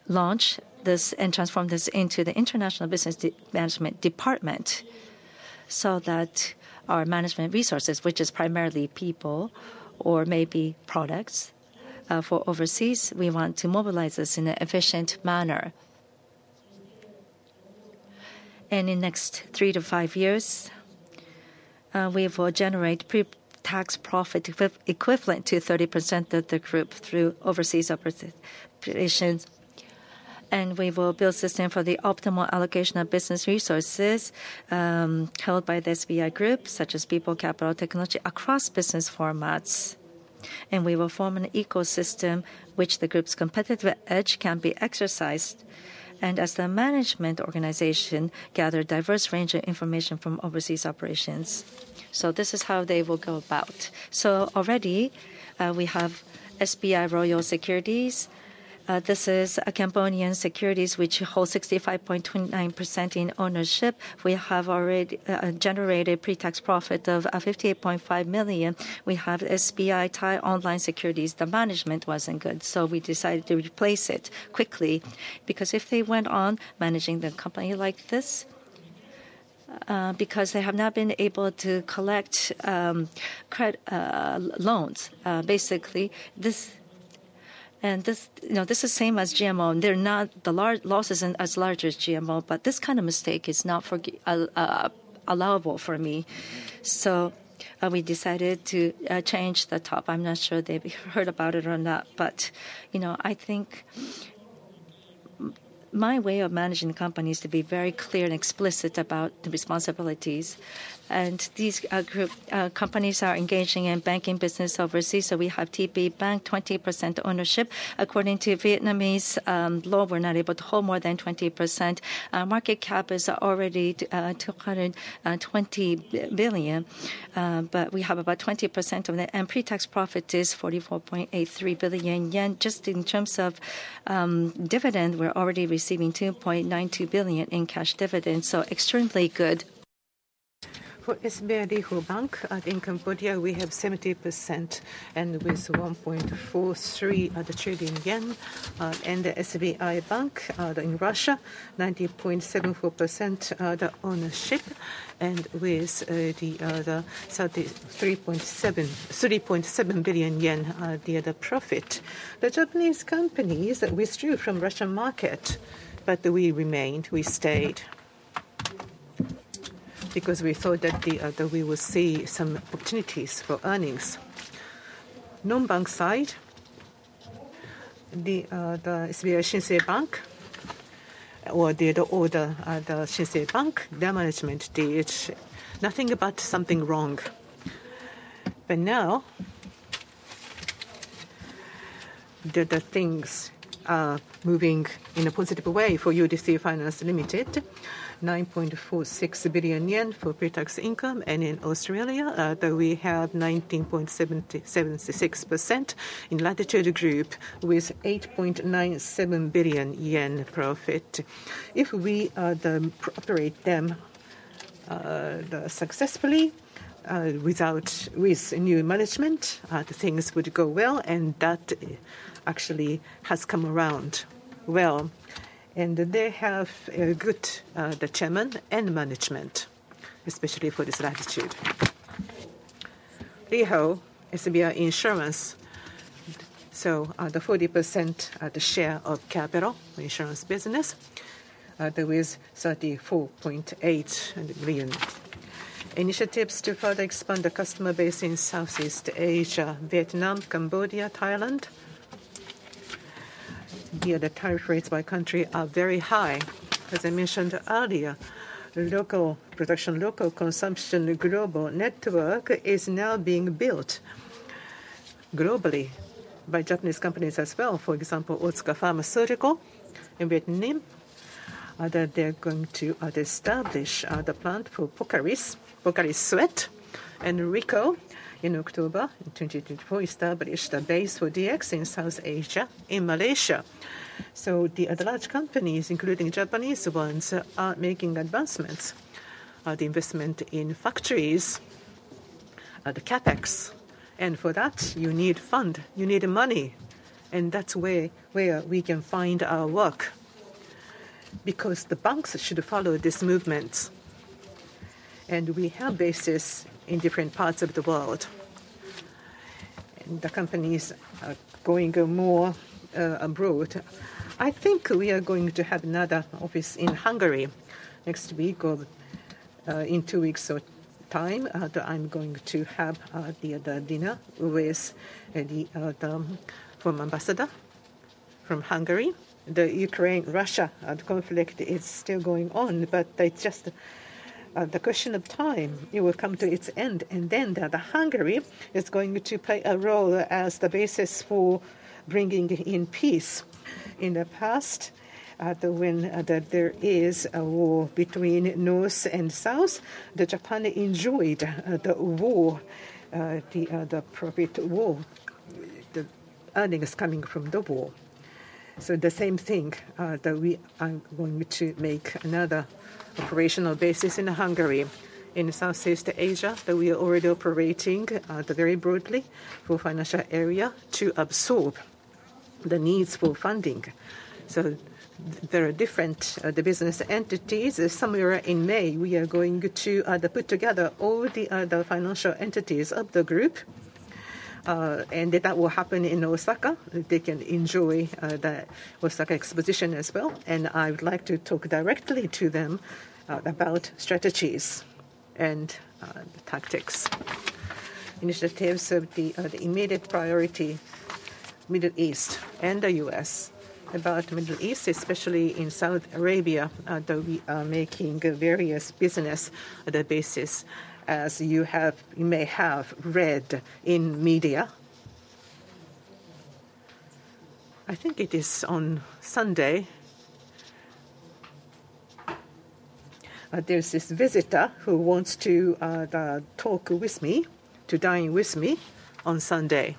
launch this and transform this into the International Business Management Department so that our management resources, which is primarily people or maybe products for overseas, we want to mobilize this in an efficient manner. In the next three to five years, we will generate pre-tax profit equivalent to 30% of the group through overseas operations. We will build a system for the optimal allocation of business resources held by the SBI Group, such as people, capital, technology across business formats. We will form an ecosystem which the group's competitive edge can be exercised. As the management organization gather a diverse range of information from overseas operations. This is how they will go about. Already we have SBI Royal Securities. This is Cambodian Securities, which holds 65.29% in ownership. We have already generated pre-tax profit of 58.5 million. We have SBI Thai Online Securities. The management was not good. I decided to replace it quickly because if they went on managing the company like this, because they have not been able to collect loans, basically this. This is the same as GMO. The loss is not as large as GMO. This kind of mistake is not allowable for me. I decided to change the top. I am not sure they have heard about it or not. You know, I think my way of managing the company is to be very clear and explicit about the responsibilities. These group companies are engaging in banking business overseas. We have TPBank, 20% ownership. According to Vietnamese law, we are not able to hold more than 20%. Market cap is already 220 billion. But we have about 20% of the and pre-tax profit is 44.83 billion yen. Just in terms of dividend, we're already receiving 2.92 billion in cash dividends. So extremely good. For SBI RevoBank in Cambodia, we have 70% and with 1.43 trillion yen. And the SBI Bank in Russia, 90.74% of the ownership. And with the other 3.7 billion yen, the other profit. The Japanese companies withdrew from the Russian market. We remained. We stayed because we thought that we would see some opportunities for earnings. Nom Bank side, the SBI Shinsei Bank or the other Shinsei Bank, their management did nothing but something wrong. Now that the things are moving in a positive way for UDC Finance, 9.46 billion yen for pre-tax income. In Australia, we have 19.76% in Latitude Group with 8.97 billion yen profit. If we operate them successfully without new management, the things would go well. That actually has come around well. They have a good Chairman and management, especially for this Latitude, Reho, SBI Insurance. The 40% of the share of capital insurance business, there was 34.8 billion. Initiatives to further expand the customer base in Southeast Asia, Vietnam, Cambodia, Thailand. The other tariff rates by country are very high. As I mentioned earlier, local production, local consumption, the global network is now being built globally by Japanese companies as well. For example, Otsuka Pharmaceutical in Vietnam that they are going to establish the plant for Pocari Sweat. Reho, in October 2024, established a base for DX in South Asia in Malaysia. The other large companies, including Japanese ones, are making advancements. The investment in factories at the CapEx. For that, you need fund. You need money. That is where we can find our work because the banks should follow this movement. We have bases in different parts of the world. The companies are going more abroad. I think we are going to have another office in Hungary next week or in two weeks' time. I am going to have the other dinner with the former ambassador from Hungary. The Ukraine-Russia conflict is still going on. It is just the question of time. It will come to its end. Hungary is going to play a role as the basis for bringing in peace. In the past, when there is a war between North and South, Japan enjoyed the war, the profit war. The earnings coming from the war. The same thing that we are going to make another operational basis in Hungary. In Southeast Asia, that we are already operating very broadly for financial area to absorb the needs for funding. There are different business entities. Somewhere in May, we are going to put together all the other financial entities of the group. That will happen in Osaka. They can enjoy the Osaka exposition as well. I would like to talk directly to them about strategies and tactics. Initiatives of the immediate priority Middle East and the U.S. About Middle East, especially in Saudi Arabia, that we are making various business at the basis, as you may have read in media. I think it is on Sunday. There is this visitor who wants to talk with me, to dine with me on Sunday.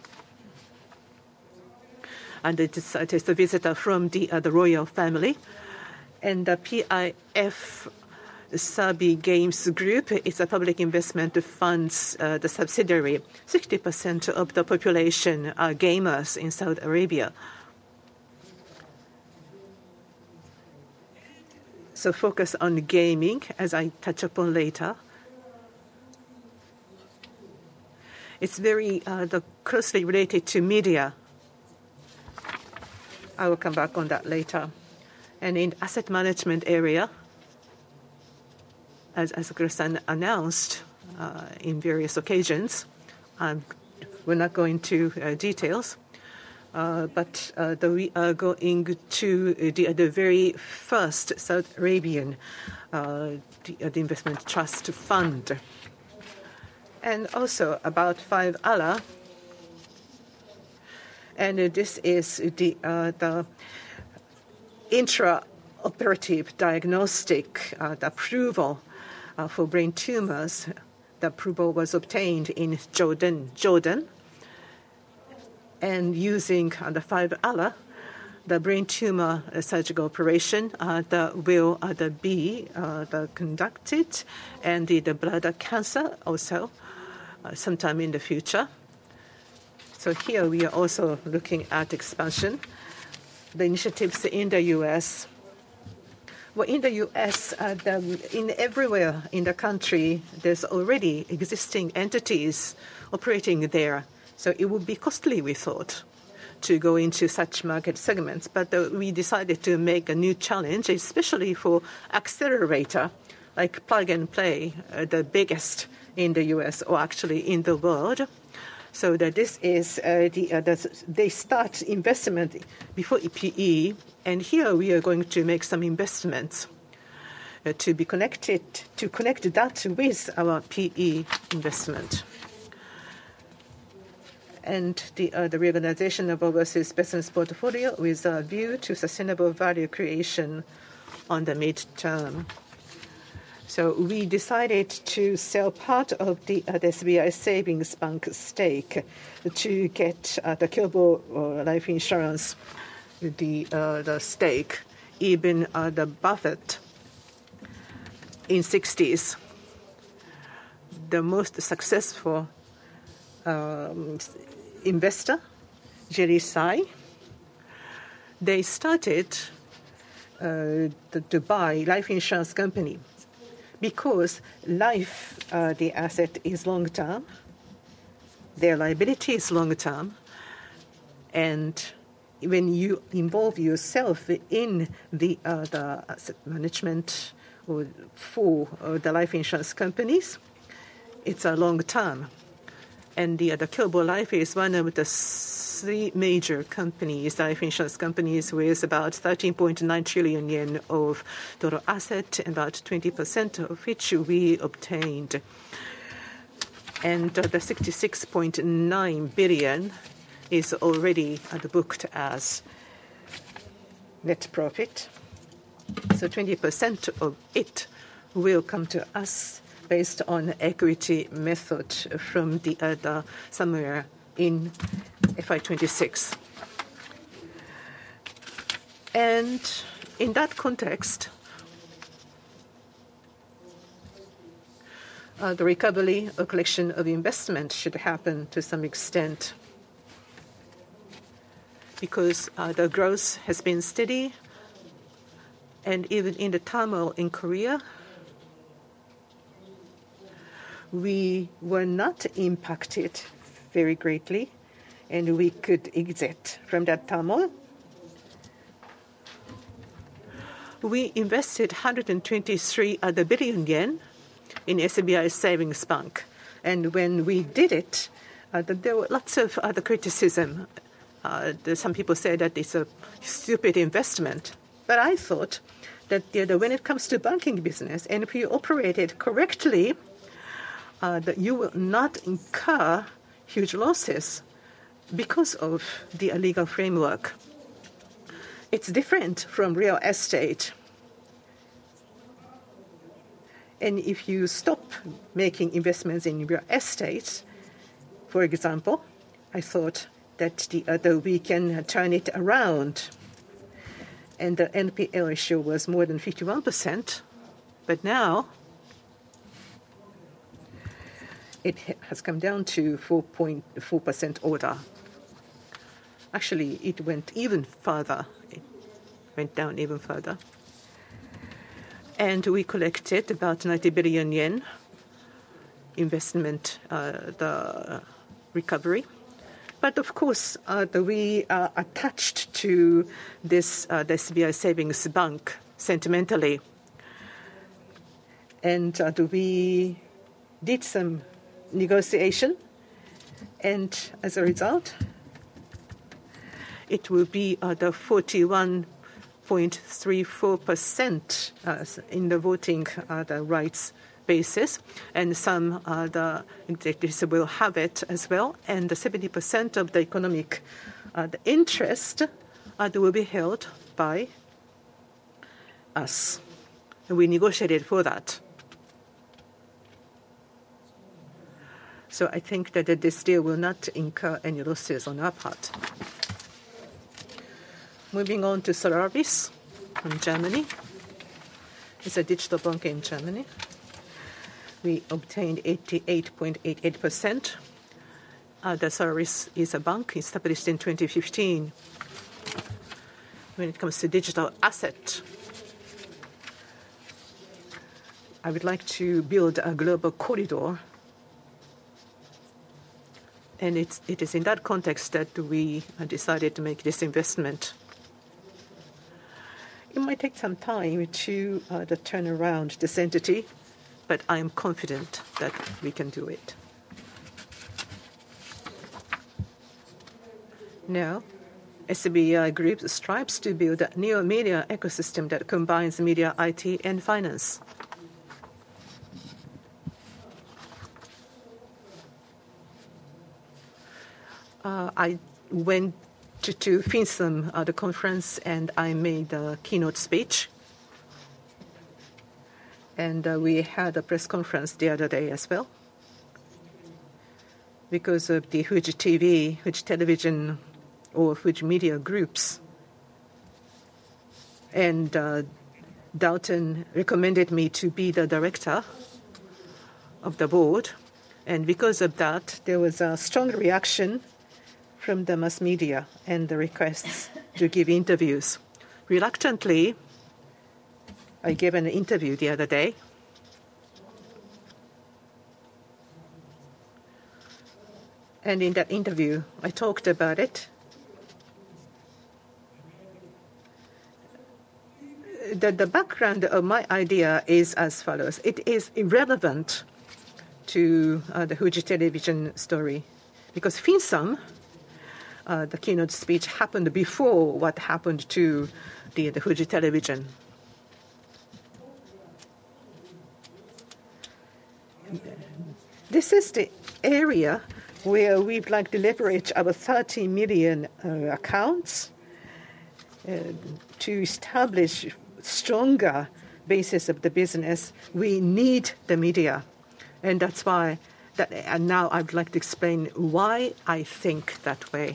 It is a visitor from the royal family. The PIF Saudi Games Group is a public investment that funds the subsidiary. 60% of the population are gamers in Saudi Arabia. Focus on gaming, as I touch upon later. It's very closely related to media. I will come back on that later. In asset management area, as Gersen announced in various occasions, we're not going to details. We are going to the very first Saudi Arabian investment trust fund. Also about Five Allah. This is the intraoperative diagnostic approval for brain tumors. The approval was obtained in Jordan. Using the Five Allah, the brain tumor surgical operation will be conducted and the blood cancer also sometime in the future. Here we are also looking at expansion. The initiatives in the U.S. In the U.S., in everywhere in the country, there's already existing entities operating there. It would be costly, we thought, to go into such market segments. We decided to make a new challenge, especially for accelerator like Plug and Play, the biggest in the U.S. or actually in the world. This is the they start investment before PE. Here we are going to make some investments to be connected to connect that with our PE investment. The reorganization of overseas business portfolio with a view to sustainable value creation on the midterm. We decided to sell part of the SBI Savings Bank stake to get the Kyobo Life Insurance, the stake, even the Buffett in the 1960s, the most successful investor, Jerry Tsai. They started to buy life insurance company because life, the asset is long term. Their liability is long term. When you involve yourself in the asset management for the life insurance companies, it's a long term. The other Kyobo Life is one of the three major life insurance companies with about 13.9 trillion yen of total assets, about 20% of which we obtained. The 66.9 billion is already booked as net profit. 20% of it will come to us based on the equity method from the other somewhere in fiscal 2026. In that context, the recovery or collection of investment should happen to some extent because the growth has been steady. Even in the turmoil in Korea, we were not impacted very greatly. We could exit from that turmoil. We invested another 123 billion yen in SBI Savings Bank. When we did it, there was a lot of other criticism. Some people said that it's a stupid investment. I thought that when it comes to banking business and if you operate it correctly, you will not incur huge losses because of the legal framework. It is different from real estate. If you stop making investments in real estate, for example, I thought that we can turn it around. The NPL ratio was more than 51%. Now it has come down to 4.4% order. Actually, it went even further. It went down even further. We collected about 90 billion yen investment recovery. Of course, we are attached to this SBI Savings Bank sentimentally. We did some negotiation. As a result, it will be 41.34% on the voting rights basis. Some other executives will have it as well. The 70% of the economic interest will be held by us. We negotiated for that. I think that this deal will not incur any losses on our part. Moving on to Solaris from Germany. It is a digital bank in Germany. We obtained 88.88%. Solaris is a bank established in 2015. When it comes to digital asset, I would like to build a global corridor. It is in that context that we decided to make this investment. It might take some time to turn around this entity. I am confident that we can do it. Now, SBI Group strives to build a new media ecosystem that combines media, IT, and finance. I went to FinSlam, the conference, and I made the keynote speech. We had a press conference the other day as well because of the Fuji TV, Fuji Television, or Fuji Media Holdings. Dalton recommended me to be the director of the board. Because of that, there was a strong reaction from the mass media and the requests to give interviews. Reluctantly, I gave an interview the other day. In that interview, I talked about it. The background of my idea is as follows. It is irrelevant to the Fuji Television story because FinSlam, the keynote speech, happened before what happened to the Fuji Television. This is the area where we'd like to leverage our 30 million accounts to establish a stronger basis of the business. We need the media. That is why now I'd like to explain why I think that way.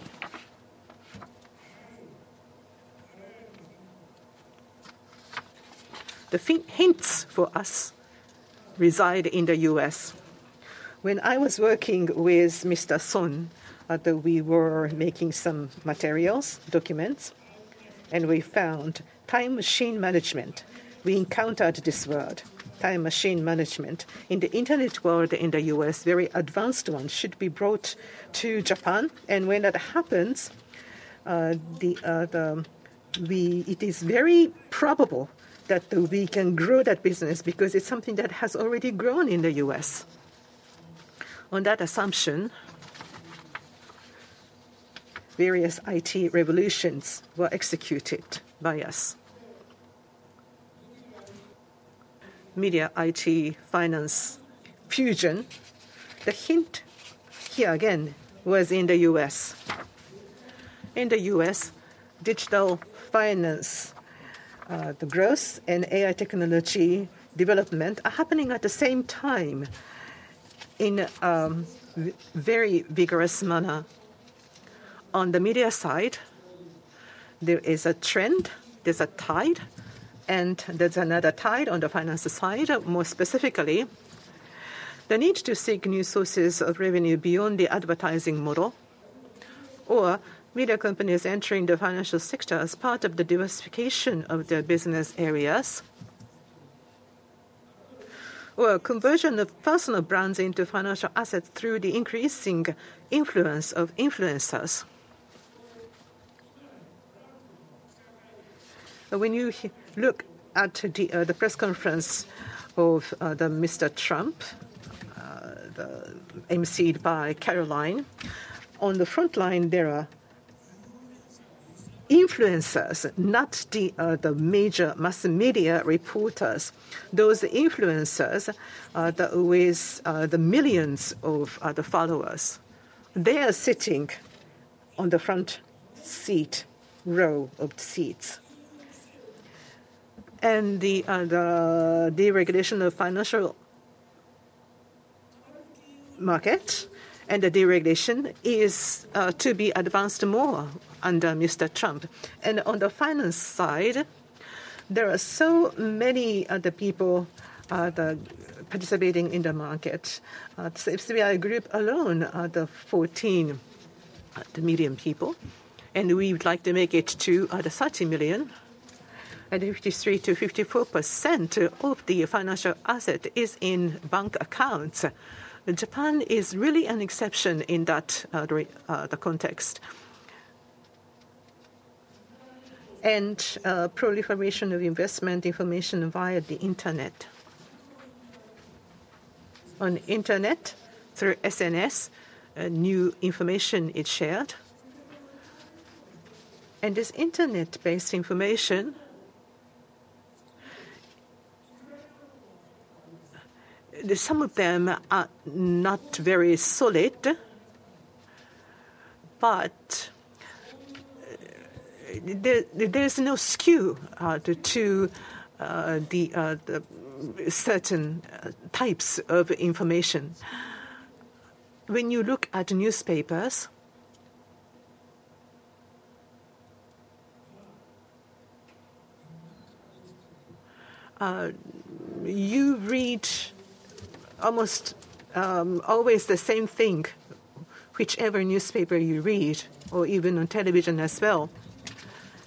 The hints for us reside in the U.S. When I was working with Mr. Son, we were making some materials, documents. We found time machine management. We encountered this word, time machine management. In the internet world in the U.S., very advanced ones should be brought to Japan. When that happens, it is very probable that we can grow that business because it's something that has already grown in the U.S. On that assumption, various IT revolutions were executed by us. Media, IT, finance, fusion. The hint here again was in the U.S. In the U.S., digital finance, the growth and AI technology development are happening at the same time in a very vigorous manner. On the media side, there is a trend. There's a tide. There's another tide on the finance side, more specifically. The need to seek new sources of revenue beyond the advertising model. Media companies entering the financial sector as part of the diversification of their business areas. Conversion of personal brands into financial assets through the increasing influence of influencers. When you look at the press conference of Mr. Trump, emceed by Caroline, on the front line, there are influencers, not the major mass media reporters, those influencers with the millions of followers. They are sitting on the front seat row of seats. The deregulation of the financial market and the deregulation is to be advanced more under Mr. Trump. On the finance side, there are so many other people participating in the market. The SBI Group alone are the 14 million people. We would like to make it to the 30 million. 53%-54% of the financial asset is in bank accounts. Japan is really an exception in that context. Proliferation of investment information via the internet. On the internet, through SNS, new information is shared. This internet-based information, some of them are not very solid. There is no skew to certain types of information. When you look at newspapers, you read almost always the same thing, whichever newspaper you read, or even on television as well.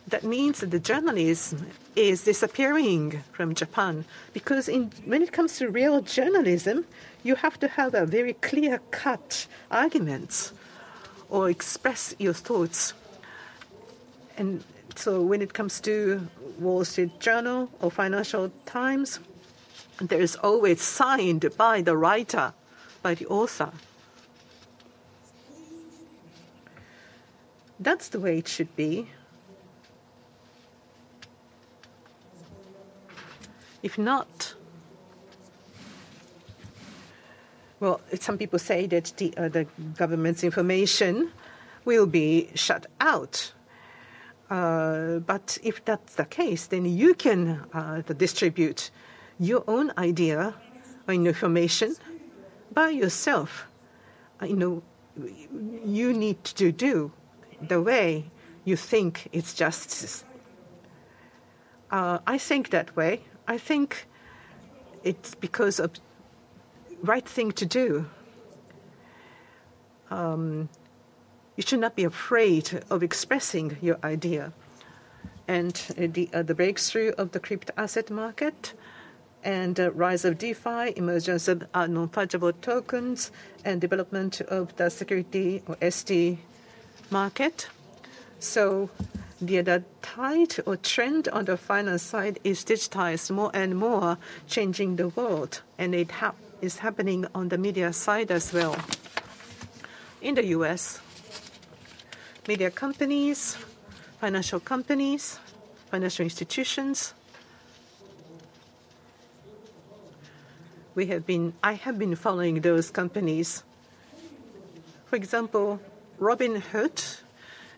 That means that the journalism is disappearing from Japan. Because when it comes to real journalism, you have to have a very clear-cut argument or express your thoughts. When it comes to Wall Street Journal or Financial Times, there is always signed by the writer, by the author. That's the way it should be. If not, some people say that the government's information will be shut out. If that's the case, then you can distribute your own idea or information by yourself. You need to do the way you think it's just. I think that way. I think it's because of the right thing to do. You should not be afraid of expressing your idea. The breakthrough of the crypto-asset market and the rise of DeFi, emergence of non-fungible tokens, and development of the security or ST market. The tide or trend on the finance side is digitized more and more, changing the world. It is happening on the media side as well. In the U.S., media companies, financial companies, financial institutions. I have been following those companies. For example, Robinhood.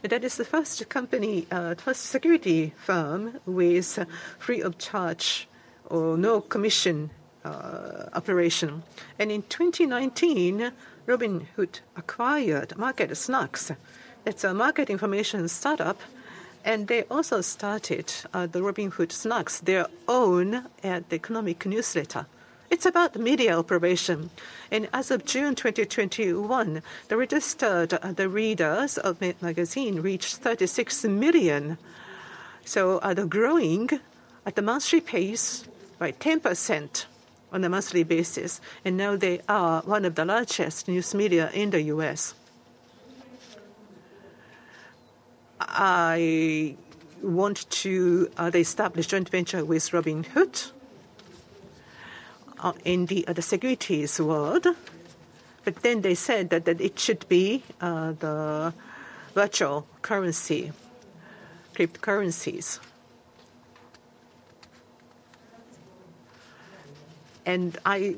That is the first company, first security firm with free of charge or no commission operation. In 2019, Robinhood acquired Market Snacks. It is a market information startup. They also started the Robinhood Snacks, their own economic newsletter. It is about media operation. As of June 2021, the registered readers of Magazine reached 36 million. They are growing at the monthly pace by 10% on a monthly basis. They are now one of the largest news media in the U.S. I want to establish joint venture with Robinhood in the other securities world. They said that it should be the virtual currency, cryptocurrencies. I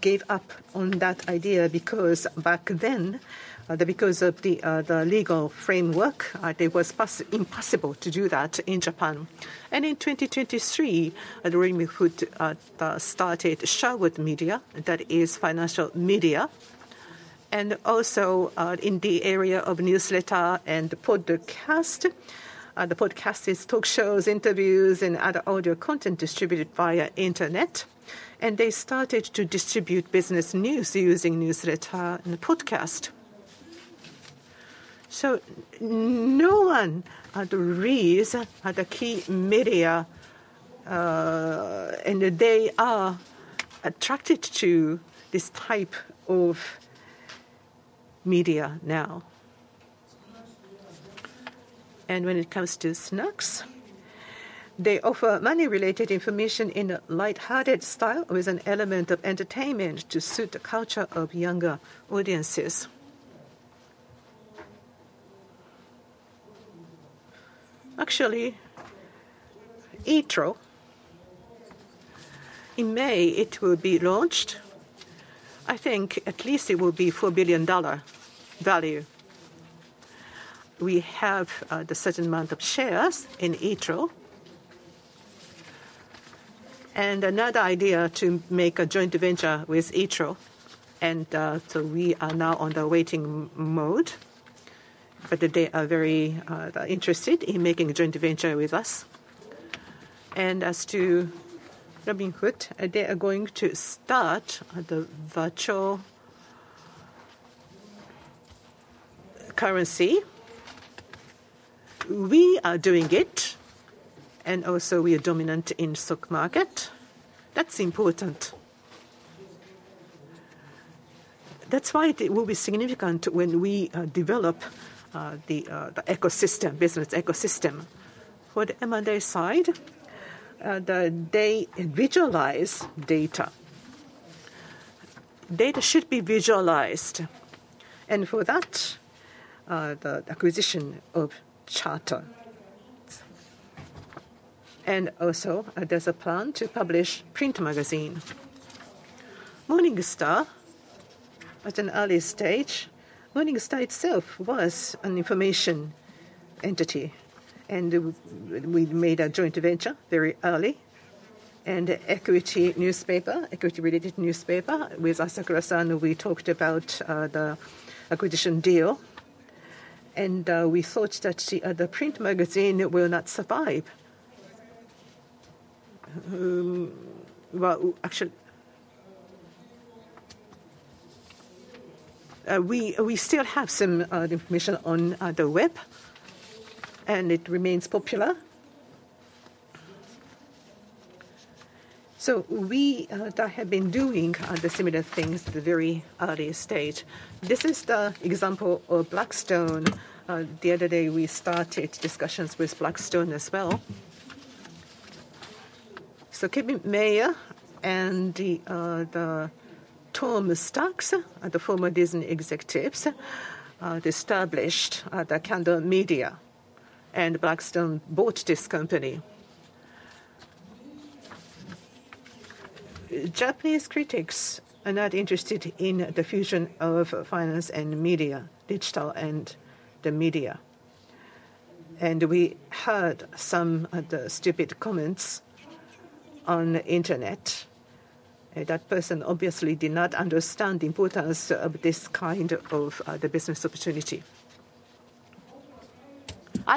gave up on that idea back then, because of the legal framework, it was impossible to do that in Japan. In 2023, Robinhood started ShareWorld Media, that is financial media. Also in the area of newsletter and podcast. The podcast is talk shows, interviews, and other audio content distributed via internet. They started to distribute business news using newsletter and podcast. No one agrees at the key media. They are attracted to this type of media now. When it comes to snacks, they offer money-related information in a lighthearted style with an element of entertainment to suit the culture of younger audiences. Actually, Ethereum ETF, in May, it will be launched. I think at least it will be $4 billion value. We have a certain amount of shares in Ethereum ETF. Another idea is to make a joint venture with Ethereum ETF. We are now on the waiting mode. They are very interested in making a joint venture with us. As to Robinhood, they are going to start the virtual currency. We are doing it. Also, we are dominant in the stock market. That is important. That is why it will be significant when we develop the business ecosystem. For the M&A side, they visualize data. Data should be visualized. For that, the acquisition of Charter. Also, there is a plan to publish print magazine. Morningstar, at an early stage, Morningstar itself was an information entity. We made a joint venture very early. The equity newspaper, equity-related newspaper, with Asa Kurosano, we talked about the acquisition deal. We thought that the print magazine will not survive. Actually, we still have some information on the web, and it remains popular. We have been doing the similar things at a very early stage. This is the example of Blackstone. The other day, we started discussions with Blackstone as well. Kevin Mayer and Tom Starks, the former Disney executives, established Kanda Media, and Blackstone bought this company. Japanese critics are not interested in the fusion of finance and media, digital and the media. We heard some of the stupid comments on the internet. That person obviously did not understand the importance of this kind of business opportunity.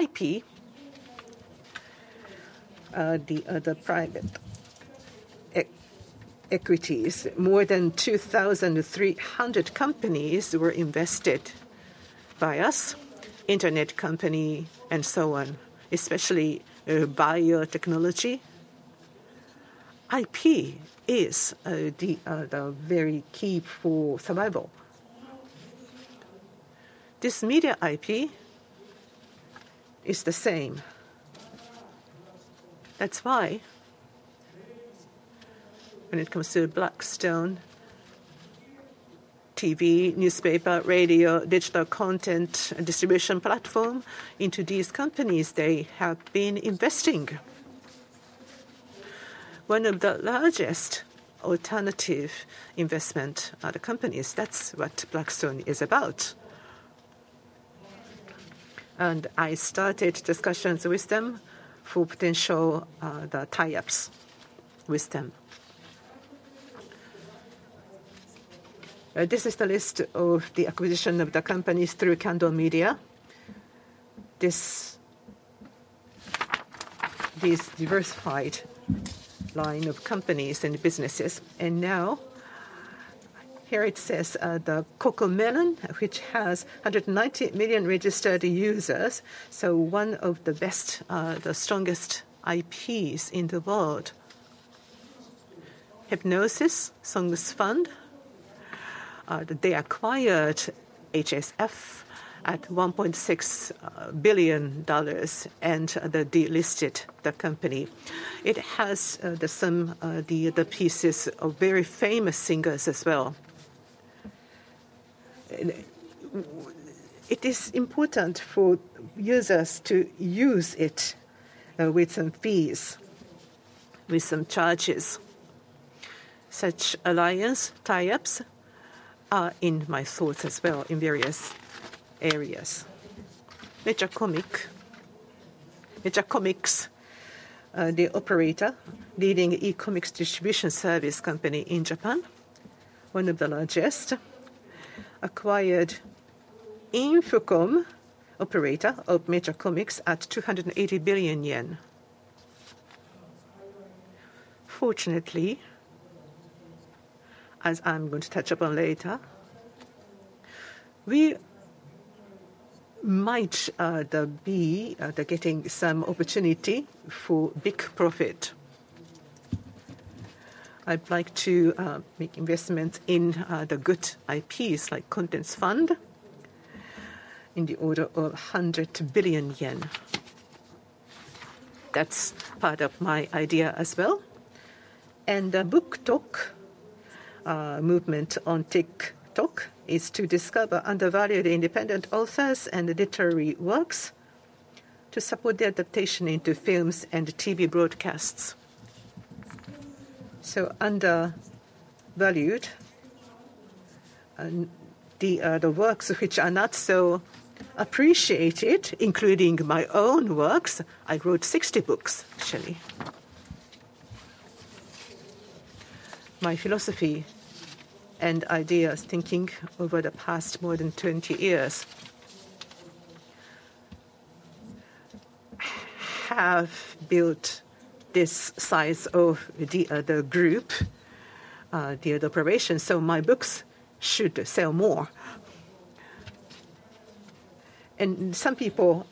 IP, the private equities, more than 2,300 companies were invested by us, internet company, and so on, especially biotechnology. IP is the very key for survival. This media IP is the same. That's why when it comes to Blackstone, TV, newspaper, radio, digital content, and distribution platform, into these companies, they have been investing. One of the largest alternative investment companies, that's what Blackstone is about. I started discussions with them for potential tie-ups with them. This is the list of the acquisition of the companies through Kanda Media. This diversified line of companies and businesses. Now here it says the Cocomelon, which has 190 million registered users. One of the best, the strongest IPs in the world. Hypnosis, Song's Fund. They acquired HSF at $1.6 billion and they delisted the company. It has some of the pieces of very famous singers as well. It is important for users to use it with some fees, with some charges. Such alliance tie-ups are in my thoughts as well in various areas. Metaps Commerce, the operator, leading e-commerce distribution service company in Japan, one of the largest, acquired Infocom, operator of Metaps Commerce, at JPY 280 billion. Fortunately, as I'm going to touch upon later, we might be getting some opportunity for big profit. I'd like to make investments in the good IPs, like Contents Fund, in the order of 100 billion yen. That's part of my idea as well. The BookTok movement on TikTok is to discover undervalued independent authors and literary works to support the adaptation into films and TV broadcasts. Undervalued, the works which are not so appreciated, including my own works. I wrote 60 books, actually. My philosophy and ideas, thinking over the past more than 20 years, have built this size of the group, the operation. My books should sell more. Some people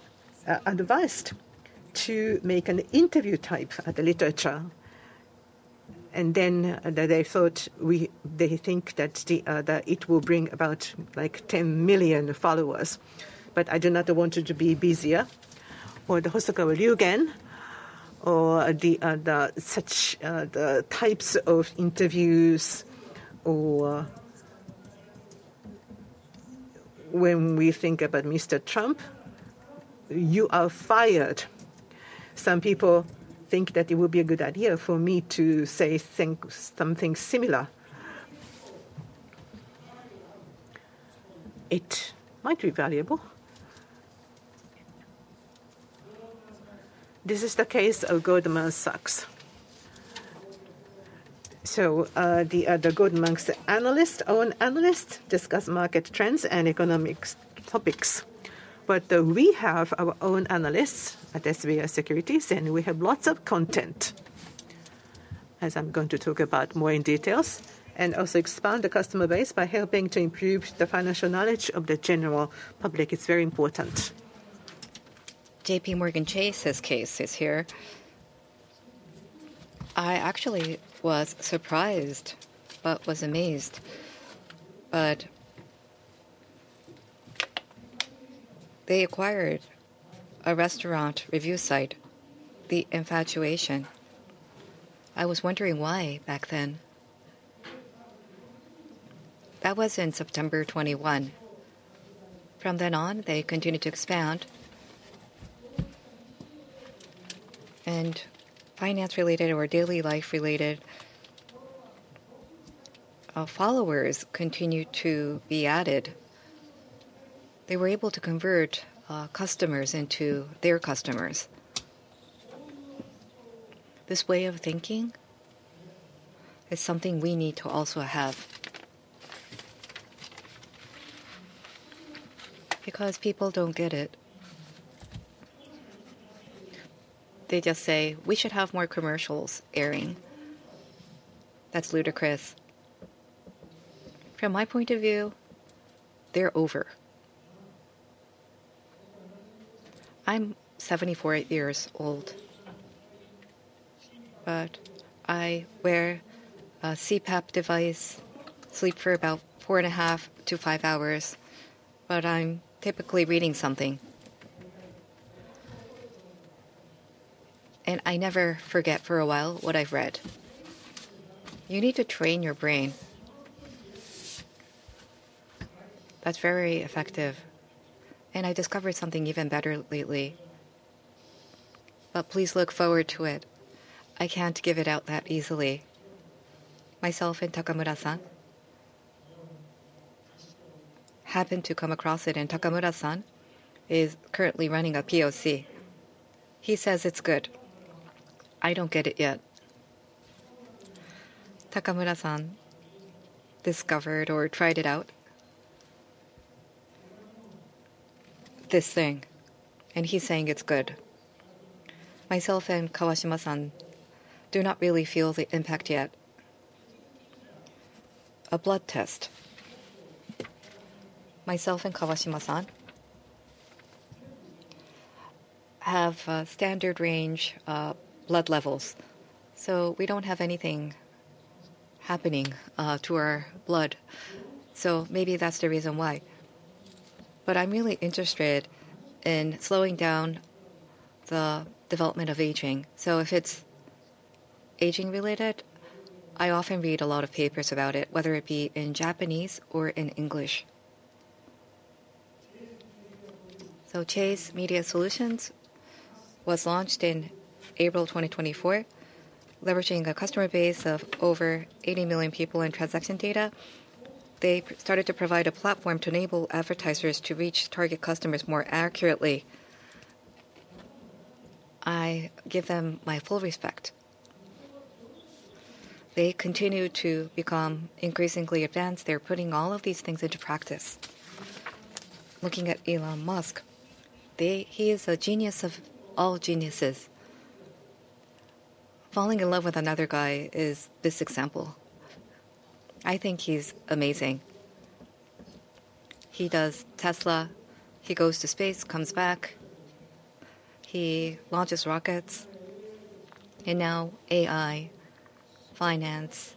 advised to make an interview type at the literature. They thought they think that it will bring about 10 million followers. I do not want it to be busier. Or the Hosokawa Ryugen, or such types of interviews. When we think about Mr. Trump, you are fired. Some people think that it would be a good idea for me to say something similar. It might be valuable. This is the case of Goldman Sachs. The Goldman Sachs analyst, own analyst, discusses market trends and economic topics. We have our own analysts at SBI Securities, and we have lots of content, as I am going to talk about more in detail. Also expand the customer base by helping to improve the financial knowledge of the general public. It is very important. JPMorgan Chase's case is here. I actually was surprised, but was amazed. But they acquired a restaurant review site, The Infatuation. I was wondering why back then. That was in September 2021. From then on, they continued to expand. And finance-related or daily-life-related followers continued to be added. They were able to convert customers into their customers. This way of thinking is something we need to also have. Because people do not get it. They just say, "We should have more commercials airing." That is ludicrous. From my point of view, they are over. I am 74 years old. But I wear a CPAP device, sleep for about four and a half to five hours. But I am typically reading something. And I never forget for a while what I have read. You need to train your brain. That is very effective. And I discovered something even better lately. But please look forward to it. I cannot give it out that easily. Myself and Takamura-san happened to come across it. Takamura-san is currently running a POC. He says it's good. I don't get it yet. Takamura-san discovered or tried it out, this thing. He's saying it's good. Myself and Kawashima-san do not really feel the impact yet. A blood test. Myself and Kawashima-san have standard range blood levels. We don't have anything happening to our blood. Maybe that's the reason why. I'm really interested in slowing down the development of aging. If it's aging-related, I often read a lot of papers about it, whether it be in Japanese or in English. Chase Media Solutions was launched in April 2024, leveraging a customer base of over 80 million people and transaction data. They started to provide a platform to enable advertisers to reach target customers more accurately. I give them my full respect. They continue to become increasingly advanced. They're putting all of these things into practice. Looking at Elon Musk, he is a genius of all geniuses. Falling in love with another guy is this example. I think he's amazing. He does Tesla. He goes to space, comes back. He launches rockets. Now AI, finance.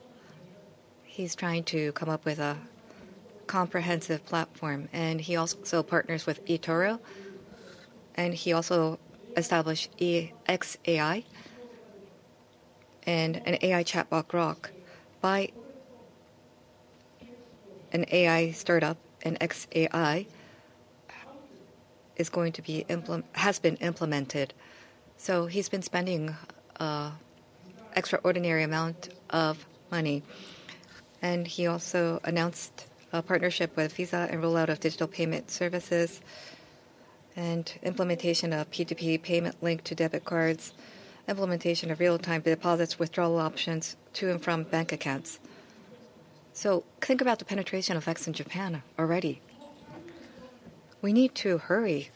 He's trying to come up with a comprehensive platform. He also partners with eToro. He also established xAI and an AI chatbot, Grok, by an AI startup, and xAI is going to be implemented, has been implemented. He's been spending an extraordinary amount of money. He also announced a partnership with Visa and rollout of digital payment services and implementation of P2P payment linked to debit cards, implementation of real-time deposits, withdrawal options to and from bank accounts. Think about the penetration effects in Japan already. We need to hurry.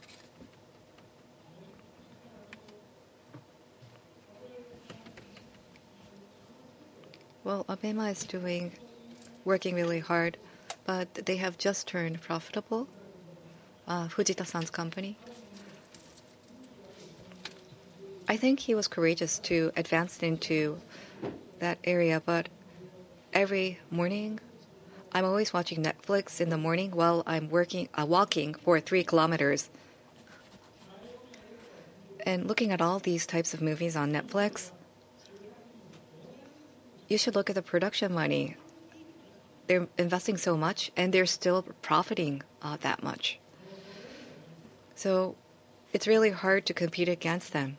Abema is working really hard, but they have just turned profitable, Fujita-san's company. I think he was courageous to advance into that area. Every morning, I'm always watching Netflix in the morning while I'm walking for 3 km. Looking at all these types of movies on Netflix, you should look at the production money. They're investing so much, and they're still profiting that much. It is really hard to compete against them,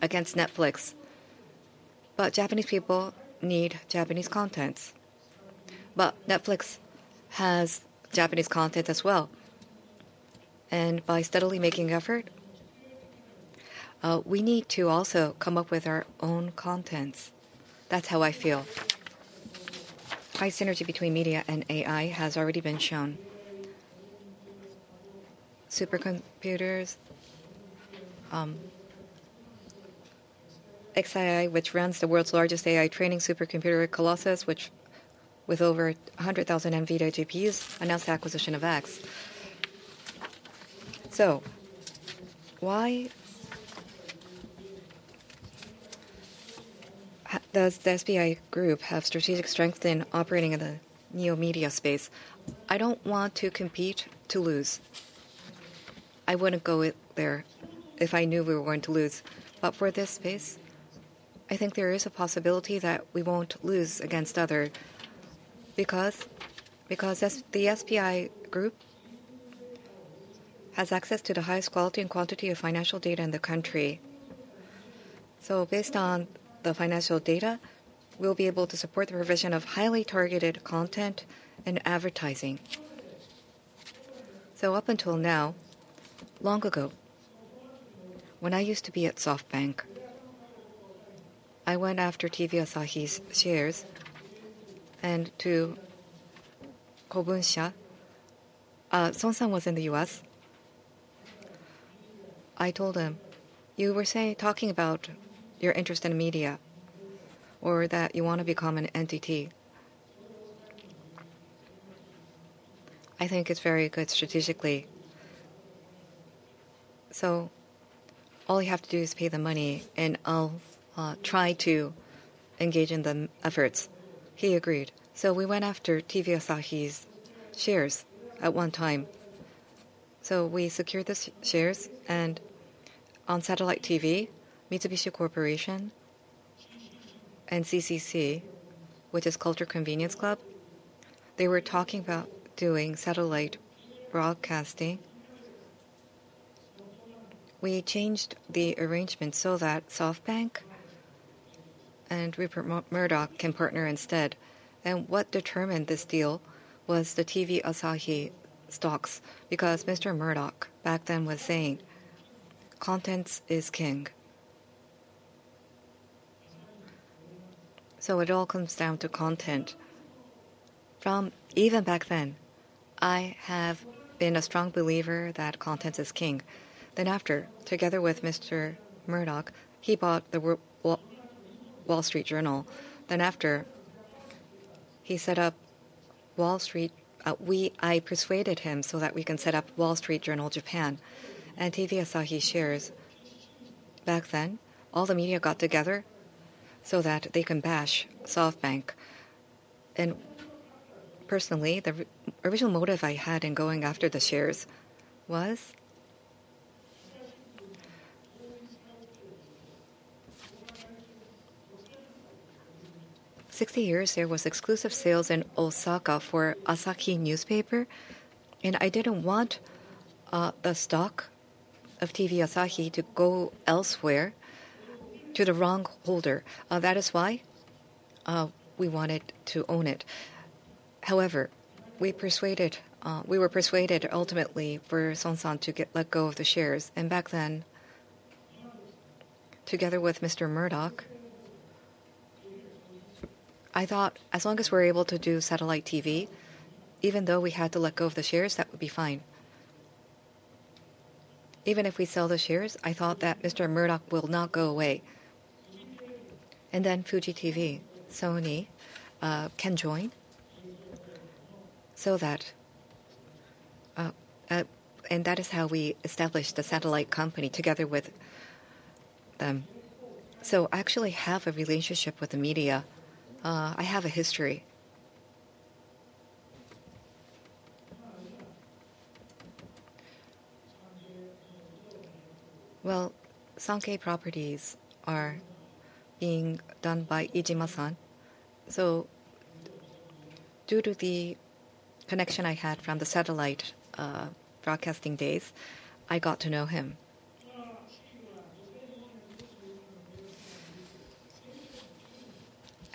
against Netflix. Japanese people need Japanese contents. Netflix has Japanese content as well. By steadily making effort, we need to also come up with our own contents. That's how I feel. High synergy between media and AI has already been shown. Supercomputers, xAI, which runs the world's largest AI training supercomputer Colossus, which with over 100,000 NVIDIA GPUs, announced acquisition of X. Why does the SBI Group have strategic strength in operating in the neo-media space? I do not want to compete to lose. I would not go there if I knew we were going to lose. For this space, I think there is a possibility that we will not lose against others. The SBI Group has access to the highest quality and quantity of financial data in the country. Based on the financial data, we will be able to support the provision of highly targeted content and advertising. Up until now, long ago, when I used to be at SoftBank, I went after TV Asahi's shares. And to Kobun Sha, Son-san was in the U.S. I told him, "You were talking about your interest in media or that you want to become an entity." I think it is very good strategically. All you have to do is pay the money, and I'll try to engage in the efforts. He agreed. We went after TV Asahi's shares at one time. We secured the shares. On satellite TV, Mitsubishi Corporation and CCC, which is Culture Convenience Club, they were talking about doing satellite broadcasting. We changed the arrangement so that SoftBank and Mr. Murdoch can partner instead. What determined this deal was the TV Asahi stocks. Mr. Murdoch back then was saying, "Content is king." It all comes down to content. Even back then, I have been a strong believer that content is king. After, together with Mr. Murdoch, he bought the Wall Street Journal. After, he set up Wall Street. I persuaded him so that we can set up Wall Street Journal, Japan. And TV Asahi shares. Back then, all the media got together so that they can bash SoftBank. Personally, the original motive I had in going after the shares was 60 years. There was exclusive sales in Osaka for Asahi newspaper. I did not want the stock of TV Asahi to go elsewhere to the wrong holder. That is why we wanted to own it. However, we were persuaded ultimately for Son-san to let go of the shares. Back then, together with Mr. Murdoch, I thought as long as we are able to do satellite TV, even though we had to let go of the shares, that would be fine. Even if we sell the shares, I thought that Mr. Murdoch will not go away. Fuji TV, Sony can join. That is how we established the satellite company together with them. I actually have a relationship with the media. I have a history. Sankei Properties are being done by Iijima-san. Due to the connection I had from the satellite broadcasting days, I got to know him.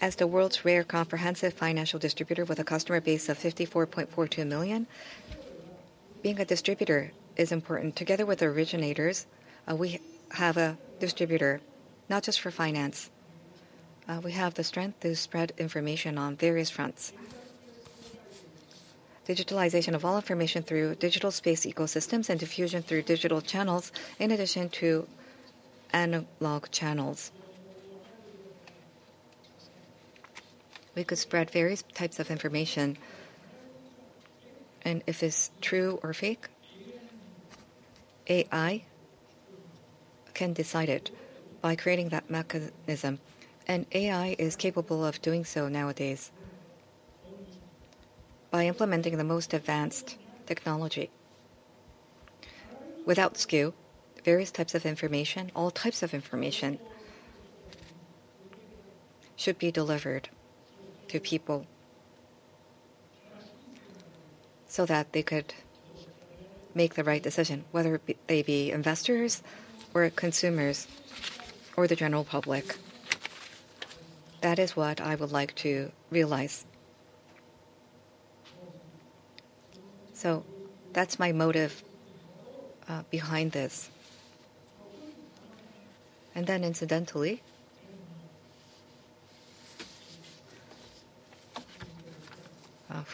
As the world's rare comprehensive financial distributor with a customer base of 54.42 million, being a distributor is important. Together with originators, we have a distributor not just for finance. We have the strength to spread information on various fronts. Digitalization of all information through digital space ecosystems and diffusion through digital channels in addition to analog channels. We could spread various types of information. If it is true or fake, AI can decide it by creating that mechanism. AI is capable of doing so nowadays by implementing the most advanced technology. Without skew, various types of information, all types of information should be delivered to people so that they could make the right decision, whether they be investors or consumers or the general public. That is what I would like to realize. That is my motive behind this. Incidentally,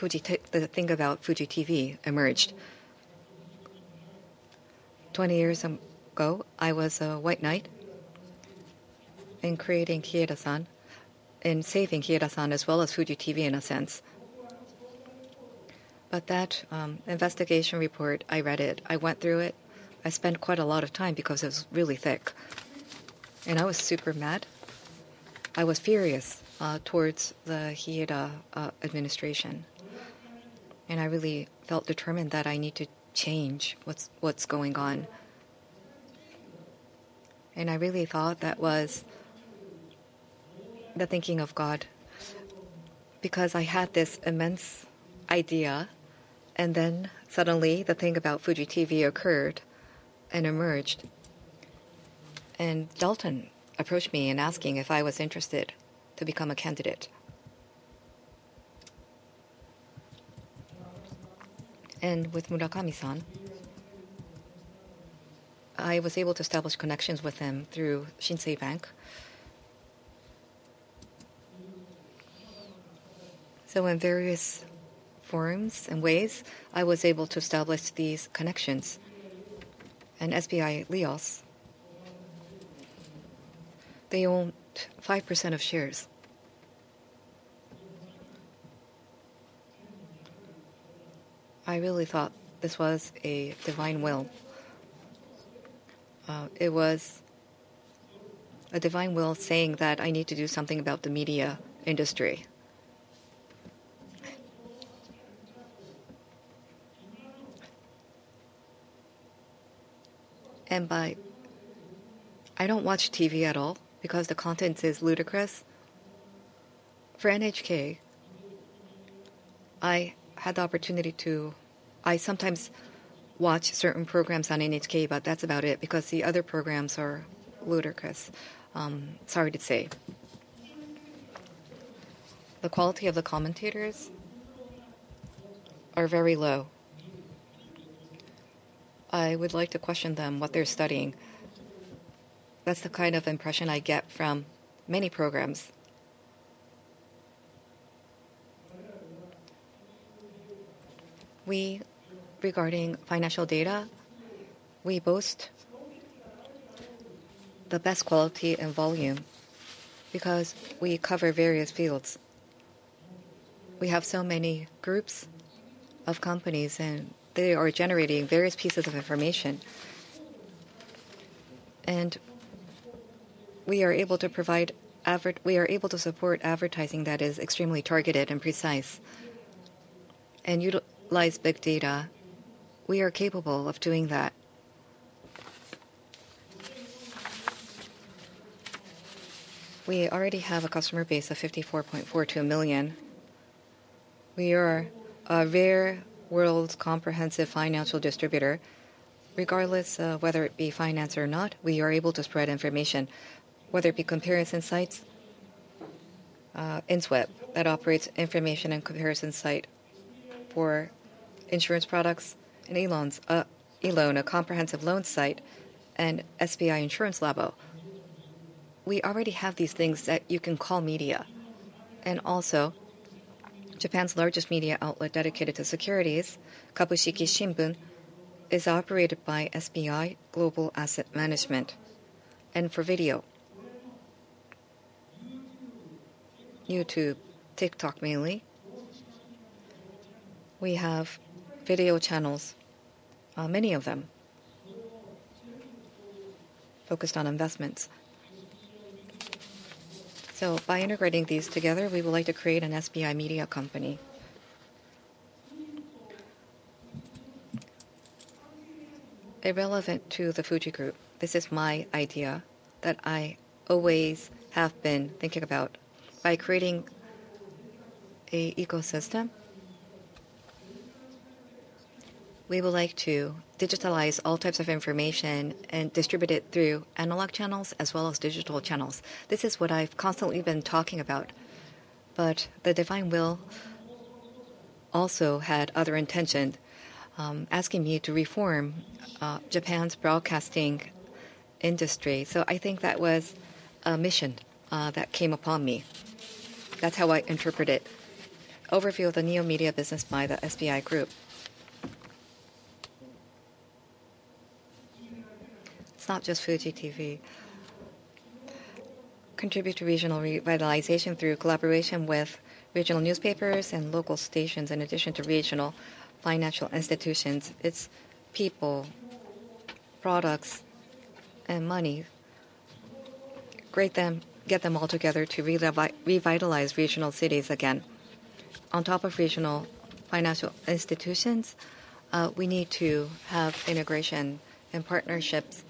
the thing about Fuji TV emerged. Twenty years ago, I was a white knight in creating Kiedasan and saving Kiedasan as well as Fuji TV in a sense. That investigation report, I read it. I went through it. I spent quite a lot of time because it was really thick. I was super mad. I was furious towards the Kieda administration. I really felt determined that I need to change what is going on. I really thought that was the thinking of God. Because I had this immense idea. Suddenly, the thing about Fuji TV occurred and emerged. Dalton approached me and asked if I was interested to become a candidate. With Murakami-san, I was able to establish connections with him through Shinsei Bank. In various forms and ways, I was able to establish these connections. SBI LIOS owned 5% of shares. I really thought this was a divine will. It was a divine will saying that I need to do something about the media industry. I do not watch TV at all because the content is ludicrous. For NHK, I had the opportunity to. I sometimes watch certain programs on NHK, but that is about it because the other programs are ludicrous. Sorry to say. The quality of the commentators is very low. I would like to question them what they are studying. That is the kind of impression I get from many programs. Regarding financial data, we boast the best quality and volume because we cover various fields. We have so many groups of companies, and they are generating various pieces of information. We are able to provide advertising that is extremely targeted and precise and utilize big data. We are capable of doing that. We already have a customer base of 54.42 million. We are a rare world comprehensive financial distributor. Regardless of whether it be finance or not, we are able to spread information, whether it be comparison sites, InSwep that operates information and comparison site for insurance products and a comprehensive loan site and SBI Insurance Labo. We already have these things that you can call media. Japan's largest media outlet dedicated to securities, Kabushiki Shimbun, is operated by SBI Global Asset Management. For video, YouTube, TikTok mainly, we have video channels, many of them focused on investments. By integrating these together, we would like to create an SBI media company relevant to the Fuji Group. This is my idea that I always have been thinking about. By creating an ecosystem, we would like to digitalize all types of information and distribute it through analog channels as well as digital channels. This is what I've constantly been talking about. The divine will also had other intentions, asking me to reform Japan's broadcasting industry. I think that was a mission that came upon me. That's how I interpret it. Overview of the neo-media business by the SBI Group. It's not just Fuji TV. Contribute to regional revitalization through collaboration with regional newspapers and local stations in addition to regional financial institutions. It's people, products, and money. Get them all together to revitalize regional cities again. On top of regional financial institutions, we need to have integration and partnerships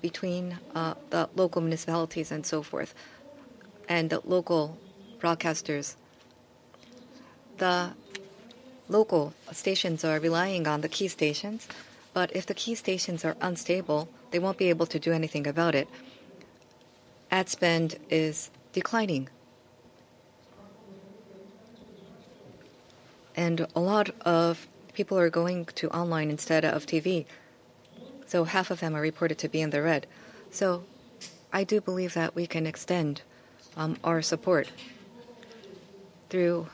between the local municipalities and so forth and the local broadcasters. The local stations are relying on the key stations. If the key stations are unstable, they will not be able to do anything about it. Ad spend is declining. A lot of people are going to online instead of TV. Half of them are reported to be in the red. I do believe that we can extend our support through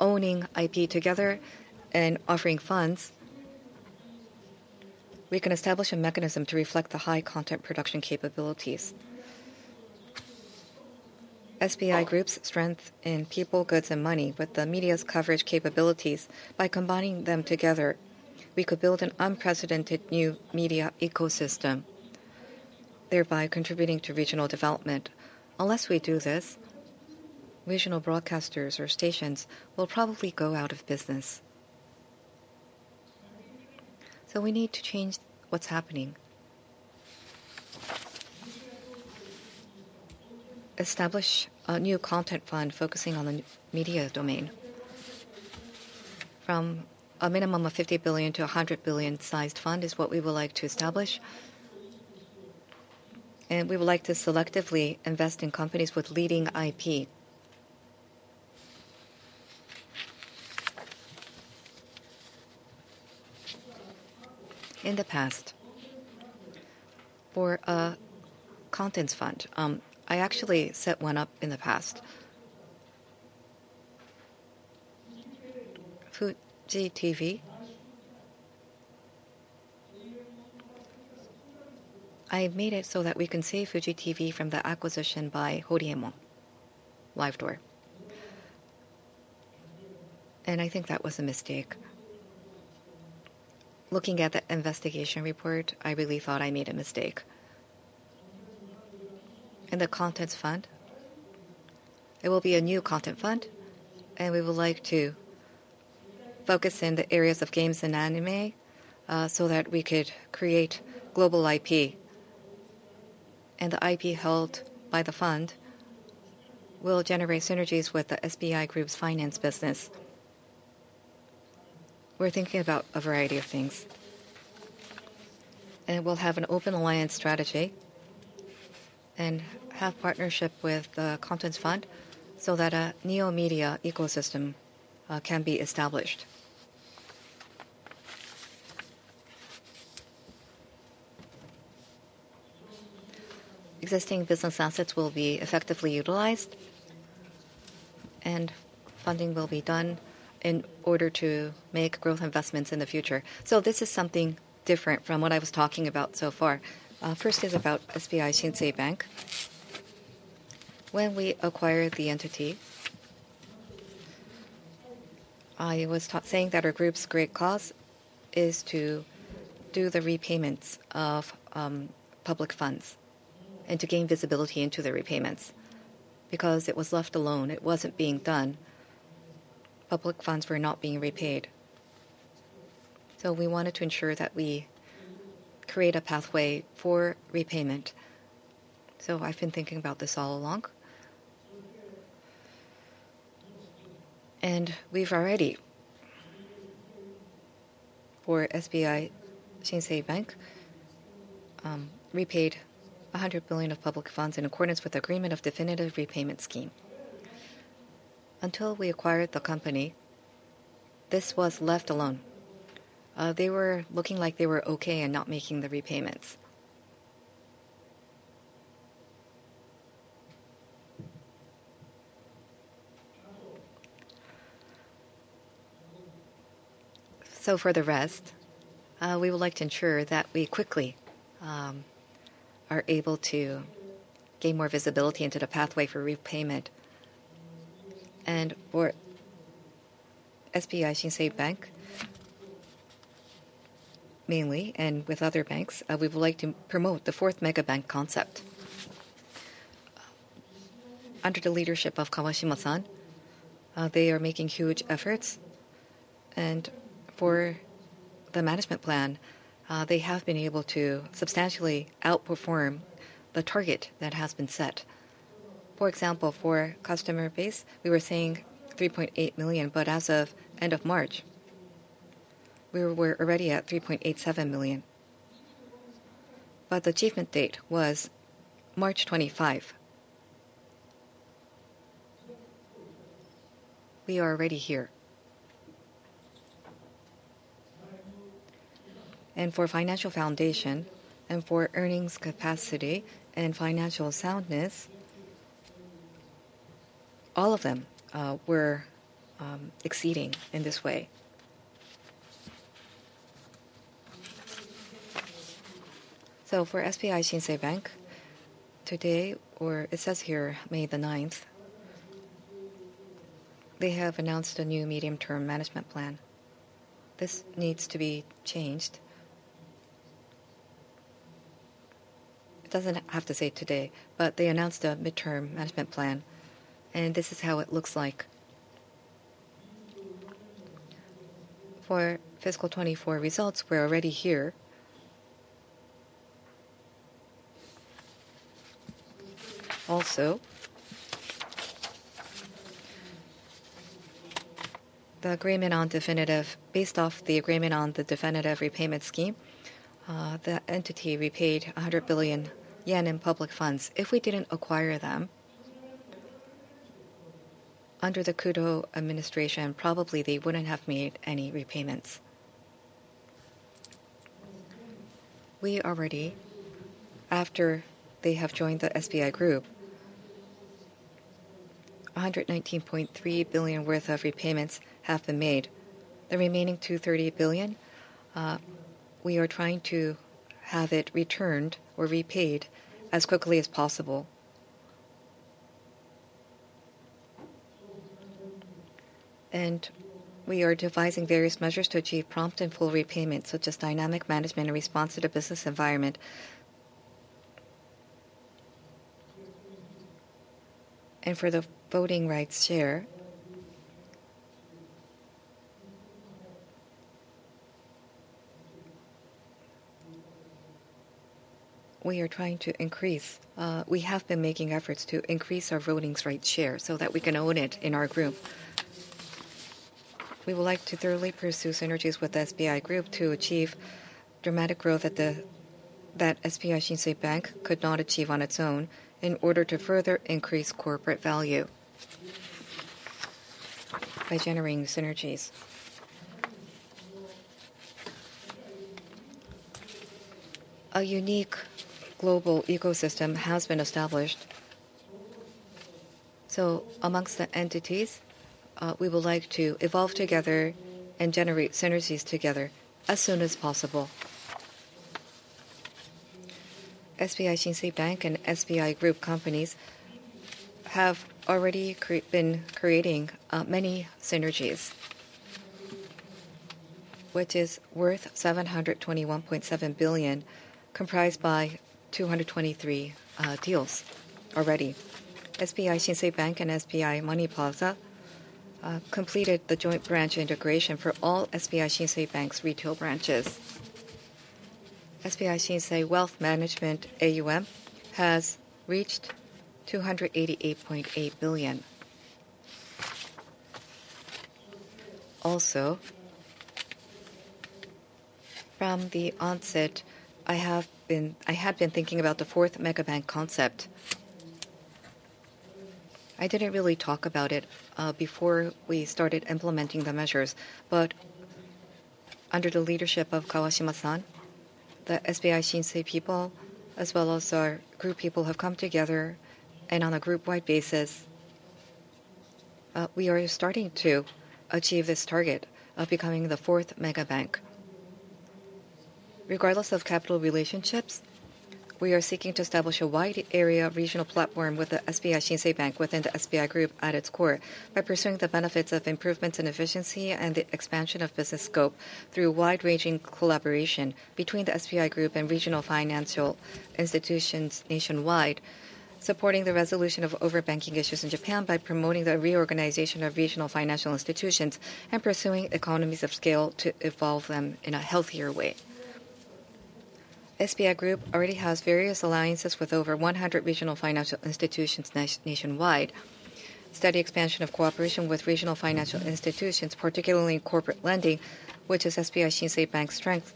owning IP together and offering funds. We can establish a mechanism to reflect the high content production capabilities. SBI Group's strength in people, goods, and money, with the media's coverage capabilities, by combining them together, we could build an unprecedented new media ecosystem, thereby contributing to regional development. Unless we do this, regional broadcasters or stations will probably go out of business. We need to change what is happening. Establish a new content fund focusing on the media domain. From a minimum of 50 billion-100 billion sized fund is what we would like to establish. We would like to selectively invest in companies with leading IP. In the past, for a contents fund, I actually set one up in the past. Fuji TV. I made it so that we can save Fuji TV from the acquisition by Horie's LiveDoor. I think that was a mistake. Looking at the investigation report, I really thought I made a mistake. The contents fund, it will be a new content fund. We would like to focus in the areas of games and anime so that we could create global IP. The IP held by the fund will generate synergies with the SBI Group's finance business. We're thinking about a variety of things. We will have an open alliance strategy and have partnership with the contents fund so that a neo-media ecosystem can be established. Existing business assets will be effectively utilized. Funding will be done in order to make growth investments in the future. This is something different from what I was talking about so far. First is about SBI Shinsei Bank. When we acquired the entity, I was saying that our group's great cause is to do the repayments of public funds and to gain visibility into the repayments. Because it was left alone, it was not being done. Public funds were not being repaid. We wanted to ensure that we create a pathway for repayment. I have been thinking about this all along. We have already, for SBI Shinsei Bank, repaid 100 billion of public funds in accordance with the Agreement of Definitive Repayment Scheme. Until we acquired the company, this was left alone. They were looking like they were okay and not making the repayments. For the rest, we would like to ensure that we quickly are able to gain more visibility into the pathway for repayment. For SBI Shinsei Bank mainly, and with other banks, we would like to promote the fourth mega bank concept. Under the leadership of Kawashima-san, they are making huge efforts. For the management plan, they have been able to substantially outperform the target that has been set. For example, for customer base, we were saying 3.8 million, but as of end of March, we were already at 3.87 million. The achievement date was March 25. We are already here. For financial foundation and for earnings capacity and financial soundness, all of them were exceeding in this way. For SBI Shinsei Bank, it says here, May the 9th, they have announced a new medium-term management plan. This needs to be changed. It does not have to say today, but they announced a midterm management plan. This is how it looks like. For fiscal 2024 results, we are already here. Also, the agreement on definitive, based off the agreement on the definitive repayment scheme, the entity repaid 100 billion yen in public funds. If we did not acquire them under the Kudo administration, probably they would not have made any repayments. We already, after they have joined the SBI Group, 119.3 billion worth of repayments have been made. The remaining 230 billion, we are trying to have it returned or repaid as quickly as possible. We are devising various measures to achieve prompt and full repayment, such as dynamic management and response to the business environment. For the voting rights share, we are trying to increase. We have been making efforts to increase our voting rights share so that we can own it in our group. We would like to thoroughly pursue synergies with the SBI Group to achieve dramatic growth that SBI Shinsei Bank could not achieve on its own in order to further increase corporate value by generating synergies. A unique global ecosystem has been established. Amongst the entities, we would like to evolve together and generate synergies together as soon as possible. SBI Shinsei Bank and SBI Group companies have already been creating many synergies, which is worth 721.7 billion, comprised by 223 deals already. SBI Shinsei Bank and SBI Money Plaza completed the joint branch integration for all SBI Shinsei Bank's retail branches. SBI Shinsei Wealth Management AUM has reached JPY 288.8 billion. Also, from the onset, I had been thinking about the fourth mega bank concept. I did not really talk about it before we started implementing the measures. Under the leadership of Kawashima-san, the SBI Shinsei people, as well as our group people, have come together. On a group-wide basis, we are starting to achieve this target of becoming the fourth mega bank. Regardless of capital relationships, we are seeking to establish a wide area regional platform with the SBI Shinsei Bank within the SBI Group at its core by pursuing the benefits of improvements in efficiency and the expansion of business scope through wide-ranging collaboration between the SBI Group and regional financial institutions nationwide, supporting the resolution of overbanking issues in Japan by promoting the reorganization of regional financial institutions and pursuing economies of scale to evolve them in a healthier way. SBI Group already has various alliances with over 100 regional financial institutions nationwide. Steady expansion of cooperation with regional financial institutions, particularly corporate lending, which is SBI Shinsei Bank's strength.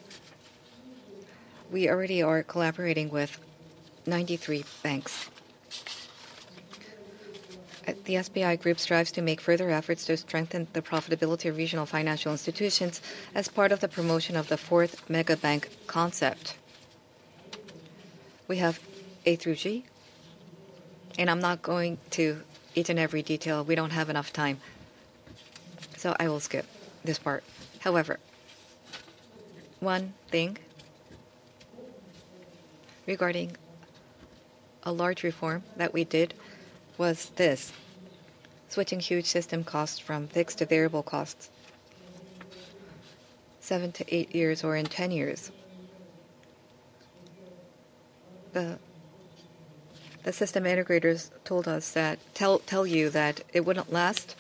We already are collaborating with 93 banks. The SBI Group strives to make further efforts to strengthen the profitability of regional financial institutions as part of the promotion of the fourth mega bank concept. We have A through G, and I'm not going to each and every detail. We don't have enough time. I will skip this part. However, one thing regarding a large reform that we did was this: switching huge system costs from fixed to variable costs seven to eight years or in ten years. The system integrators told us that tell you that it wouldn't last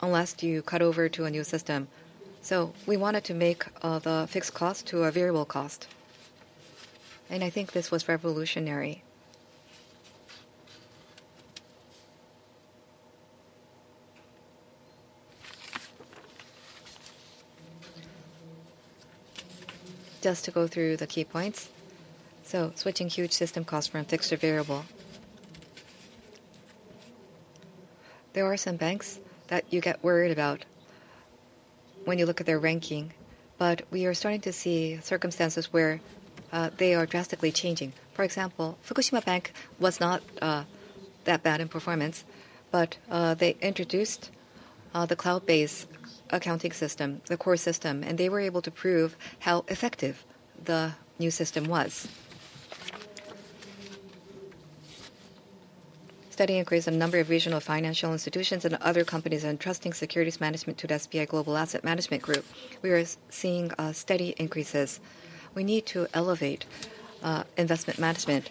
unless you cut over to a new system. We wanted to make the fixed cost to a variable cost. I think this was revolutionary. Just to go through the key points. Switching huge system costs from fixed to variable. There are some banks that you get worried about when you look at their ranking. We are starting to see circumstances where they are drastically changing. For example, Fukushima Bank was not that bad in performance. They introduced the cloud-based accounting system, the core system. They were able to prove how effective the new system was. Steady increase in number of regional financial institutions and other companies entrusting securities management to the SBI Global Asset Management Group. We are seeing steady increases. We need to elevate investment management.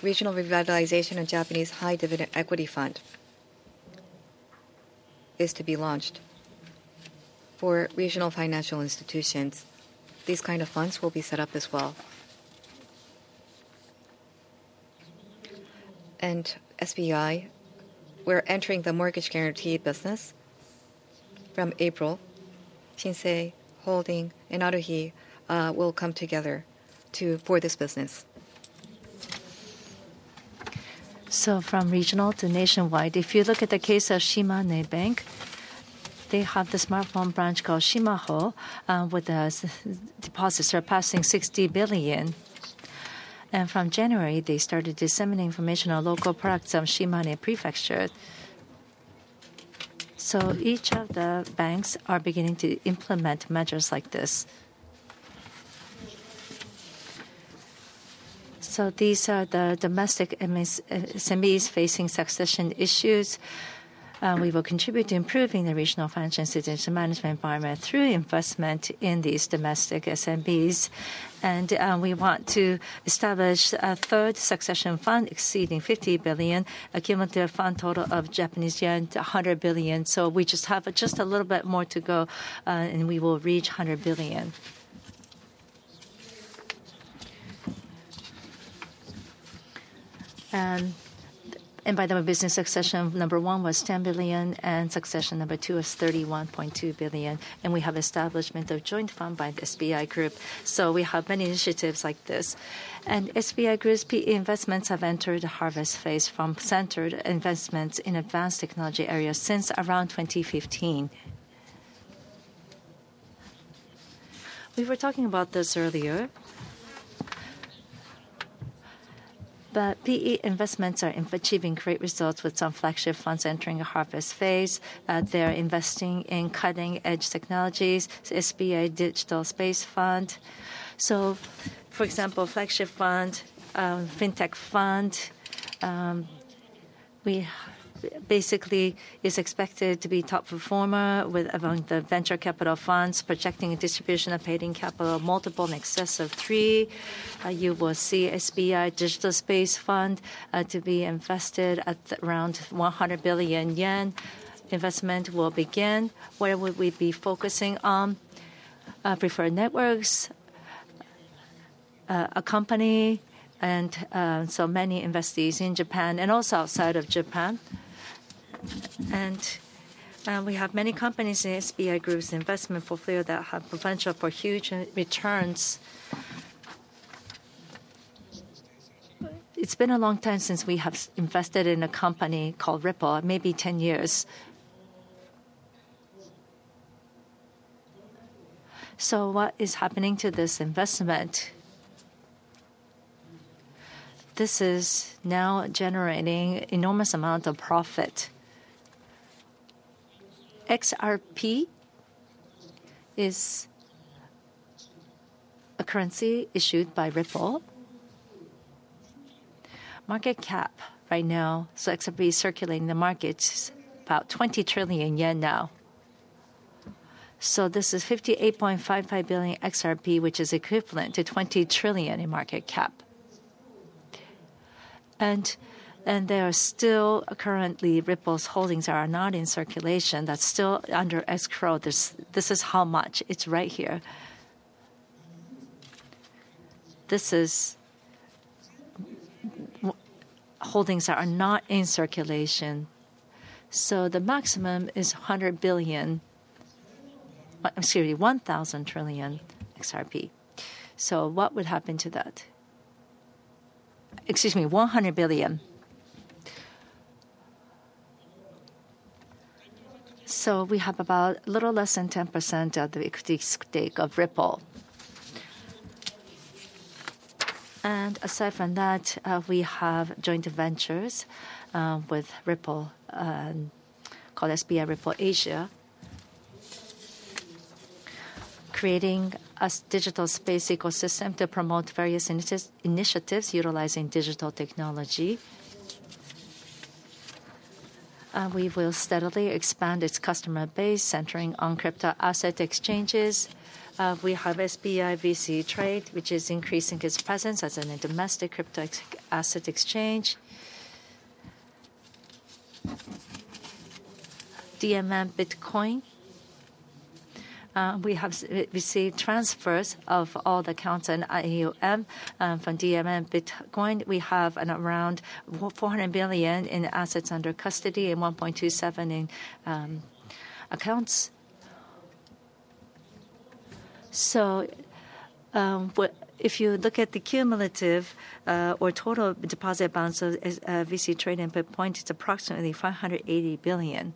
Regional revitalization and Japanese high dividend equity fund is to be launched for regional financial institutions. These kind of funds will be set up as well. SBI, we're entering the mortgage guarantee business from April. Shinsei Holding and Aruhi will come together for this business. From regional to nationwide, if you look at the case of Shimane Bank, they have the smartphone branch called Shimaho with a deposit surpassing 60 billion. From January, they started disseminating information on local products of Shimane Prefecture. Each of the banks are beginning to implement measures like this. These are the domestic SMBs facing succession issues. We will contribute to improving the regional financial institution management environment through investment in these domestic SMBs. We want to establish a third succession fund exceeding 50 billion, a cumulative fund total of 100 billion Japanese yen. We just have just a little bit more to go, and we will reach 100 billion. By the way, business succession number one was 10 billion, and succession number two was 31.2 billion. We have establishment of joint fund by the SBI Group. We have many initiatives like this. SBI Group's PE investments have entered the harvest phase from centered investments in advanced technology areas since around 2015. We were talking about this earlier. PE investments are achieving great results with some flagship funds entering a harvest phase. They're investing in cutting-edge technologies, SBI Digital Space Fund. For example, flagship fund, fintech fund, we basically is expected to be top performer with among the venture capital funds projecting a distribution of paid-in capital multiple in excess of three. You will see SBI Digital Space Fund to be invested at around 100 billion yen. Investment will begin. Where would we be focusing on? Preferred Networks, a company, and so many investees in Japan and also outside of Japan. We have many companies in SBI Group's investment portfolio that have potential for huge returns. It's been a long time since we have invested in a company called Ripple, maybe 10 years. What is happening to this investment? This is now generating an enormous amount of profit. XRP is a currency issued by Ripple. Market cap right now, so XRP circulating the market is about 20 trillion yen now. This is 58.55 billion XRP, which is equivalent to 20 trillion in market cap. There are still currently Ripple's holdings that are not in circulation that are still under escrow. This is how much. It is right here. This is holdings that are not in circulation. The maximum is 100 billion, excuse me, 1,000 trillion XRP. What would happen to that? Excuse me, 100 billion. We have about a little less than 10% of the equity stake of Ripple. Aside from that, we have joint ventures with Ripple called SBI Ripple Asia, creating a digital space ecosystem to promote various initiatives utilizing digital technology. We will steadily expand its customer base centering on crypto-asset exchanges. We have SBI VC Trade, which is increasing its presence as a domestic crypto-asset exchange. DMM Bitcoin. We have received transfers of all the accounts and IEOM from DMM Bitcoin. We have around 400 billion in assets under custody and 1.27 million in accounts. If you look at the cumulative or total deposit balance of VC Trade in Bitcoin, it is approximately JPY 580 billion.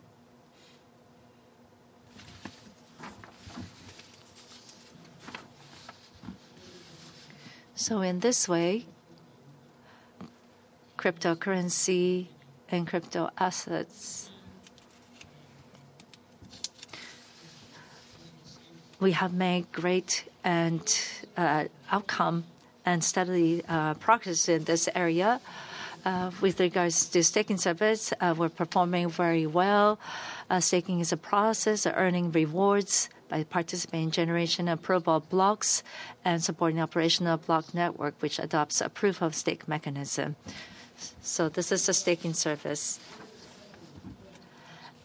In this way, cryptocurrency and crypto-assets, we have made great outcome and steadily progress in this area. With regards to staking service, we are performing very well. Staking is a process of earning rewards by participating in generation of approval blocks and supporting operational block network, which adopts a proof of stake mechanism. This is the staking service.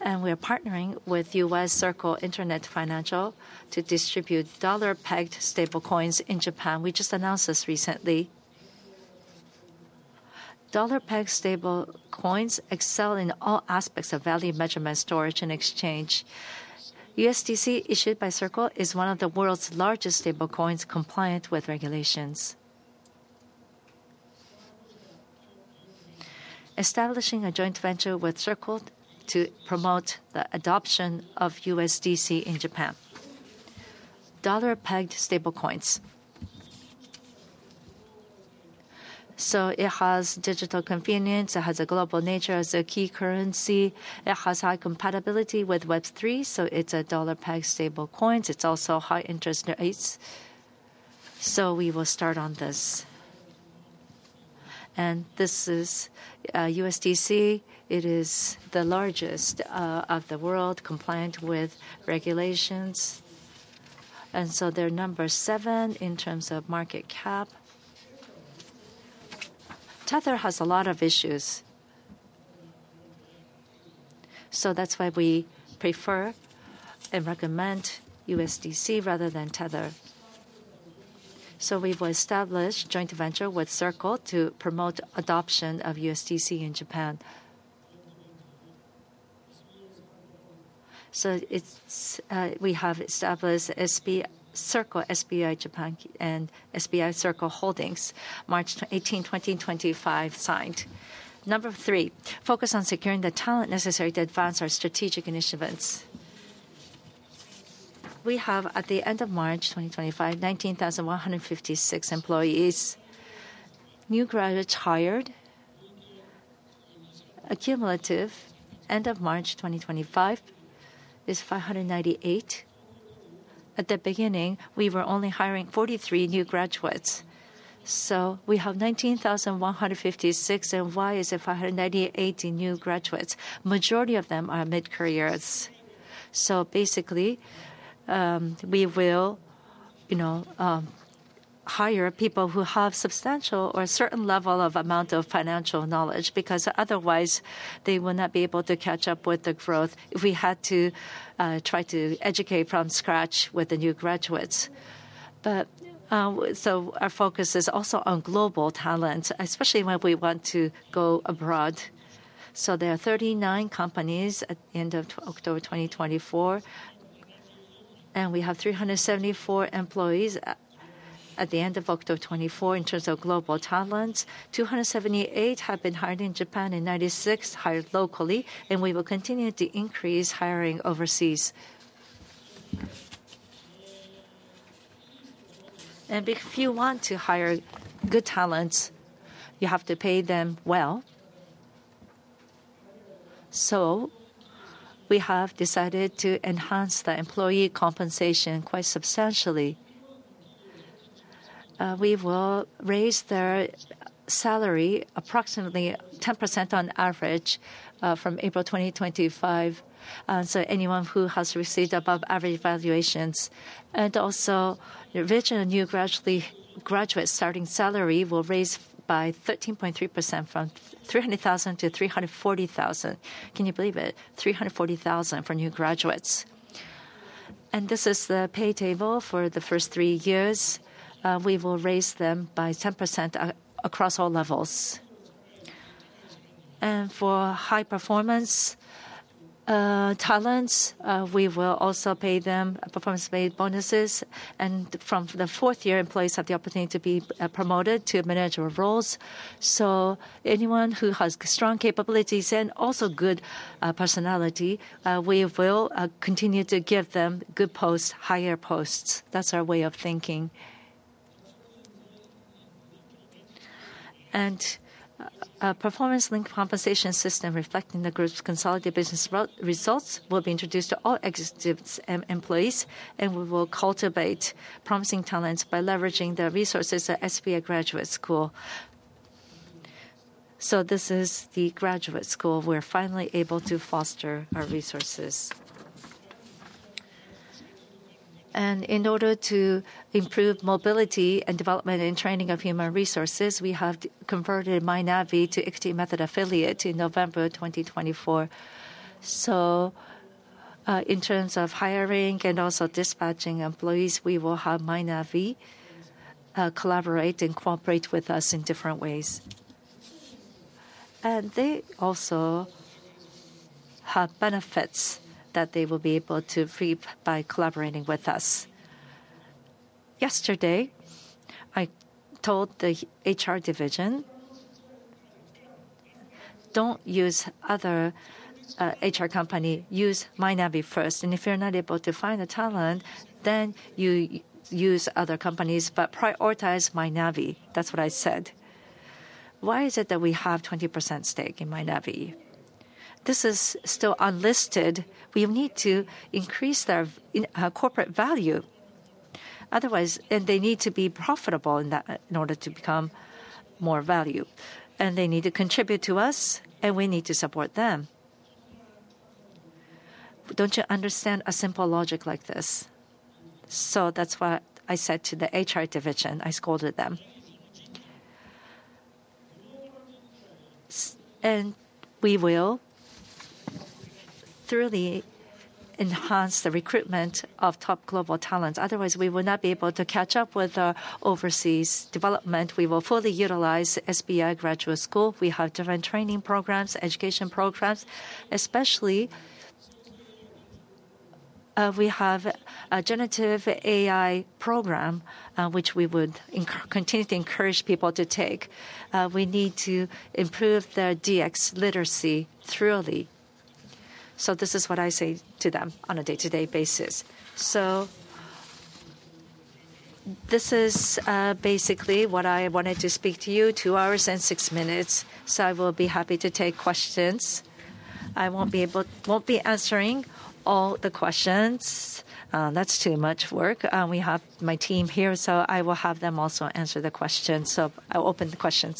We are partnering with Circle Internet Financial to distribute dollar-pegged stablecoins in Japan. We just announced this recently. Dollar-pegged stablecoins excel in all aspects of value measurement, storage, and exchange. USDC issued by Circle is one of the world's largest stablecoins compliant with regulations. Establishing a joint venture with Circle to promote the adoption of USDC in Japan. Dollar-pegged stablecoins. It has digital convenience. It has a global nature as a key currency. It has high compatibility with Web3. It is a dollar-pegged stablecoin. It is also high interest rates. We will start on this. This is USDC. It is the largest of the world compliant with regulations. They are number seven in terms of market cap. Tether has a lot of issues. That is why we prefer and recommend USDC rather than Tether. We will establish joint venture with Circle to promote adoption of USDC in Japan. We have established Circle SBI Japan and SBI Circle Holdings. March 18, 2025, signed. Number three, focus on securing the talent necessary to advance our strategic initiatives. We have, at the end of March 2025, 19,156 employees. New graduates hired. Accumulative end of March 2025 is 598. At the beginning, we were only hiring 43 new graduates. We have 19,156, and why is it 598 new graduates? Majority of them are mid-careers. Basically, we will hire people who have substantial or a certain level of amount of financial knowledge because otherwise they will not be able to catch up with the growth if we had to try to educate from scratch with the new graduates. Our focus is also on global talent, especially when we want to go abroad. There are 39 companies at the end of October 2024. We have 374 employees at the end of October 2024 in terms of global talent. 278 have been hired in Japan and 96 hired locally. We will continue to increase hiring overseas. If you want to hire good talent, you have to pay them well. We have decided to enhance the employee compensation quite substantially. We will raise their salary approximately 10% on average from April 2025. Anyone who has received above-average valuations. Also, the original new graduates' starting salary will raise by 13.3% from 300,000 to 340,000. Can you believe it? 340,000 for new graduates. This is the pay table for the first three years. We will raise them by 10% across all levels. For high-performance talents, we will also pay them performance-based bonuses. From the fourth year, employees have the opportunity to be promoted to manager roles. Anyone who has strong capabilities and also good personality, we will continue to give them good posts, higher posts. That is our way of thinking. A performance-linked compensation system reflecting the group's consolidated business results will be introduced to all executives and employees. We will cultivate promising talents by leveraging the resources of SBI Graduate School. This is the graduate school. We are finally able to foster our resources. In order to improve mobility and development and training of human resources, we have converted Mynavi to XD Method Affiliate in November 2024. In terms of hiring and also dispatching employees, we will have Mynavi collaborate and cooperate with us in different ways. They also have benefits that they will be able to reap by collaborating with us. Yesterday, I told the HR division, "Do not use other HR companies. Use Mynavi first. If you're not able to find a talent, then you use other companies, but prioritize Mynavi. That's what I said. Why is it that we have a 20% stake in Mynavi? This is still unlisted. We need to increase their corporate value. Otherwise, they need to be profitable in order to become more value. They need to contribute to us, and we need to support them. Don't you understand a simple logic like this? That's what I said to the HR division. I scolded them. We will thoroughly enhance the recruitment of top global talents. Otherwise, we will not be able to catch up with overseas development. We will fully utilize SBI Graduate School. We have different training programs, education programs, especially we have a generative AI program, which we would continue to encourage people to take. We need to improve their DX literacy thoroughly. This is what I say to them on a day-to-day basis. This is basically what I wanted to speak to you in two hours and six minutes. I will be happy to take questions. I will not be able to answer all the questions. That is too much work. We have my team here, so I will have them also answer the questions. I will open the questions.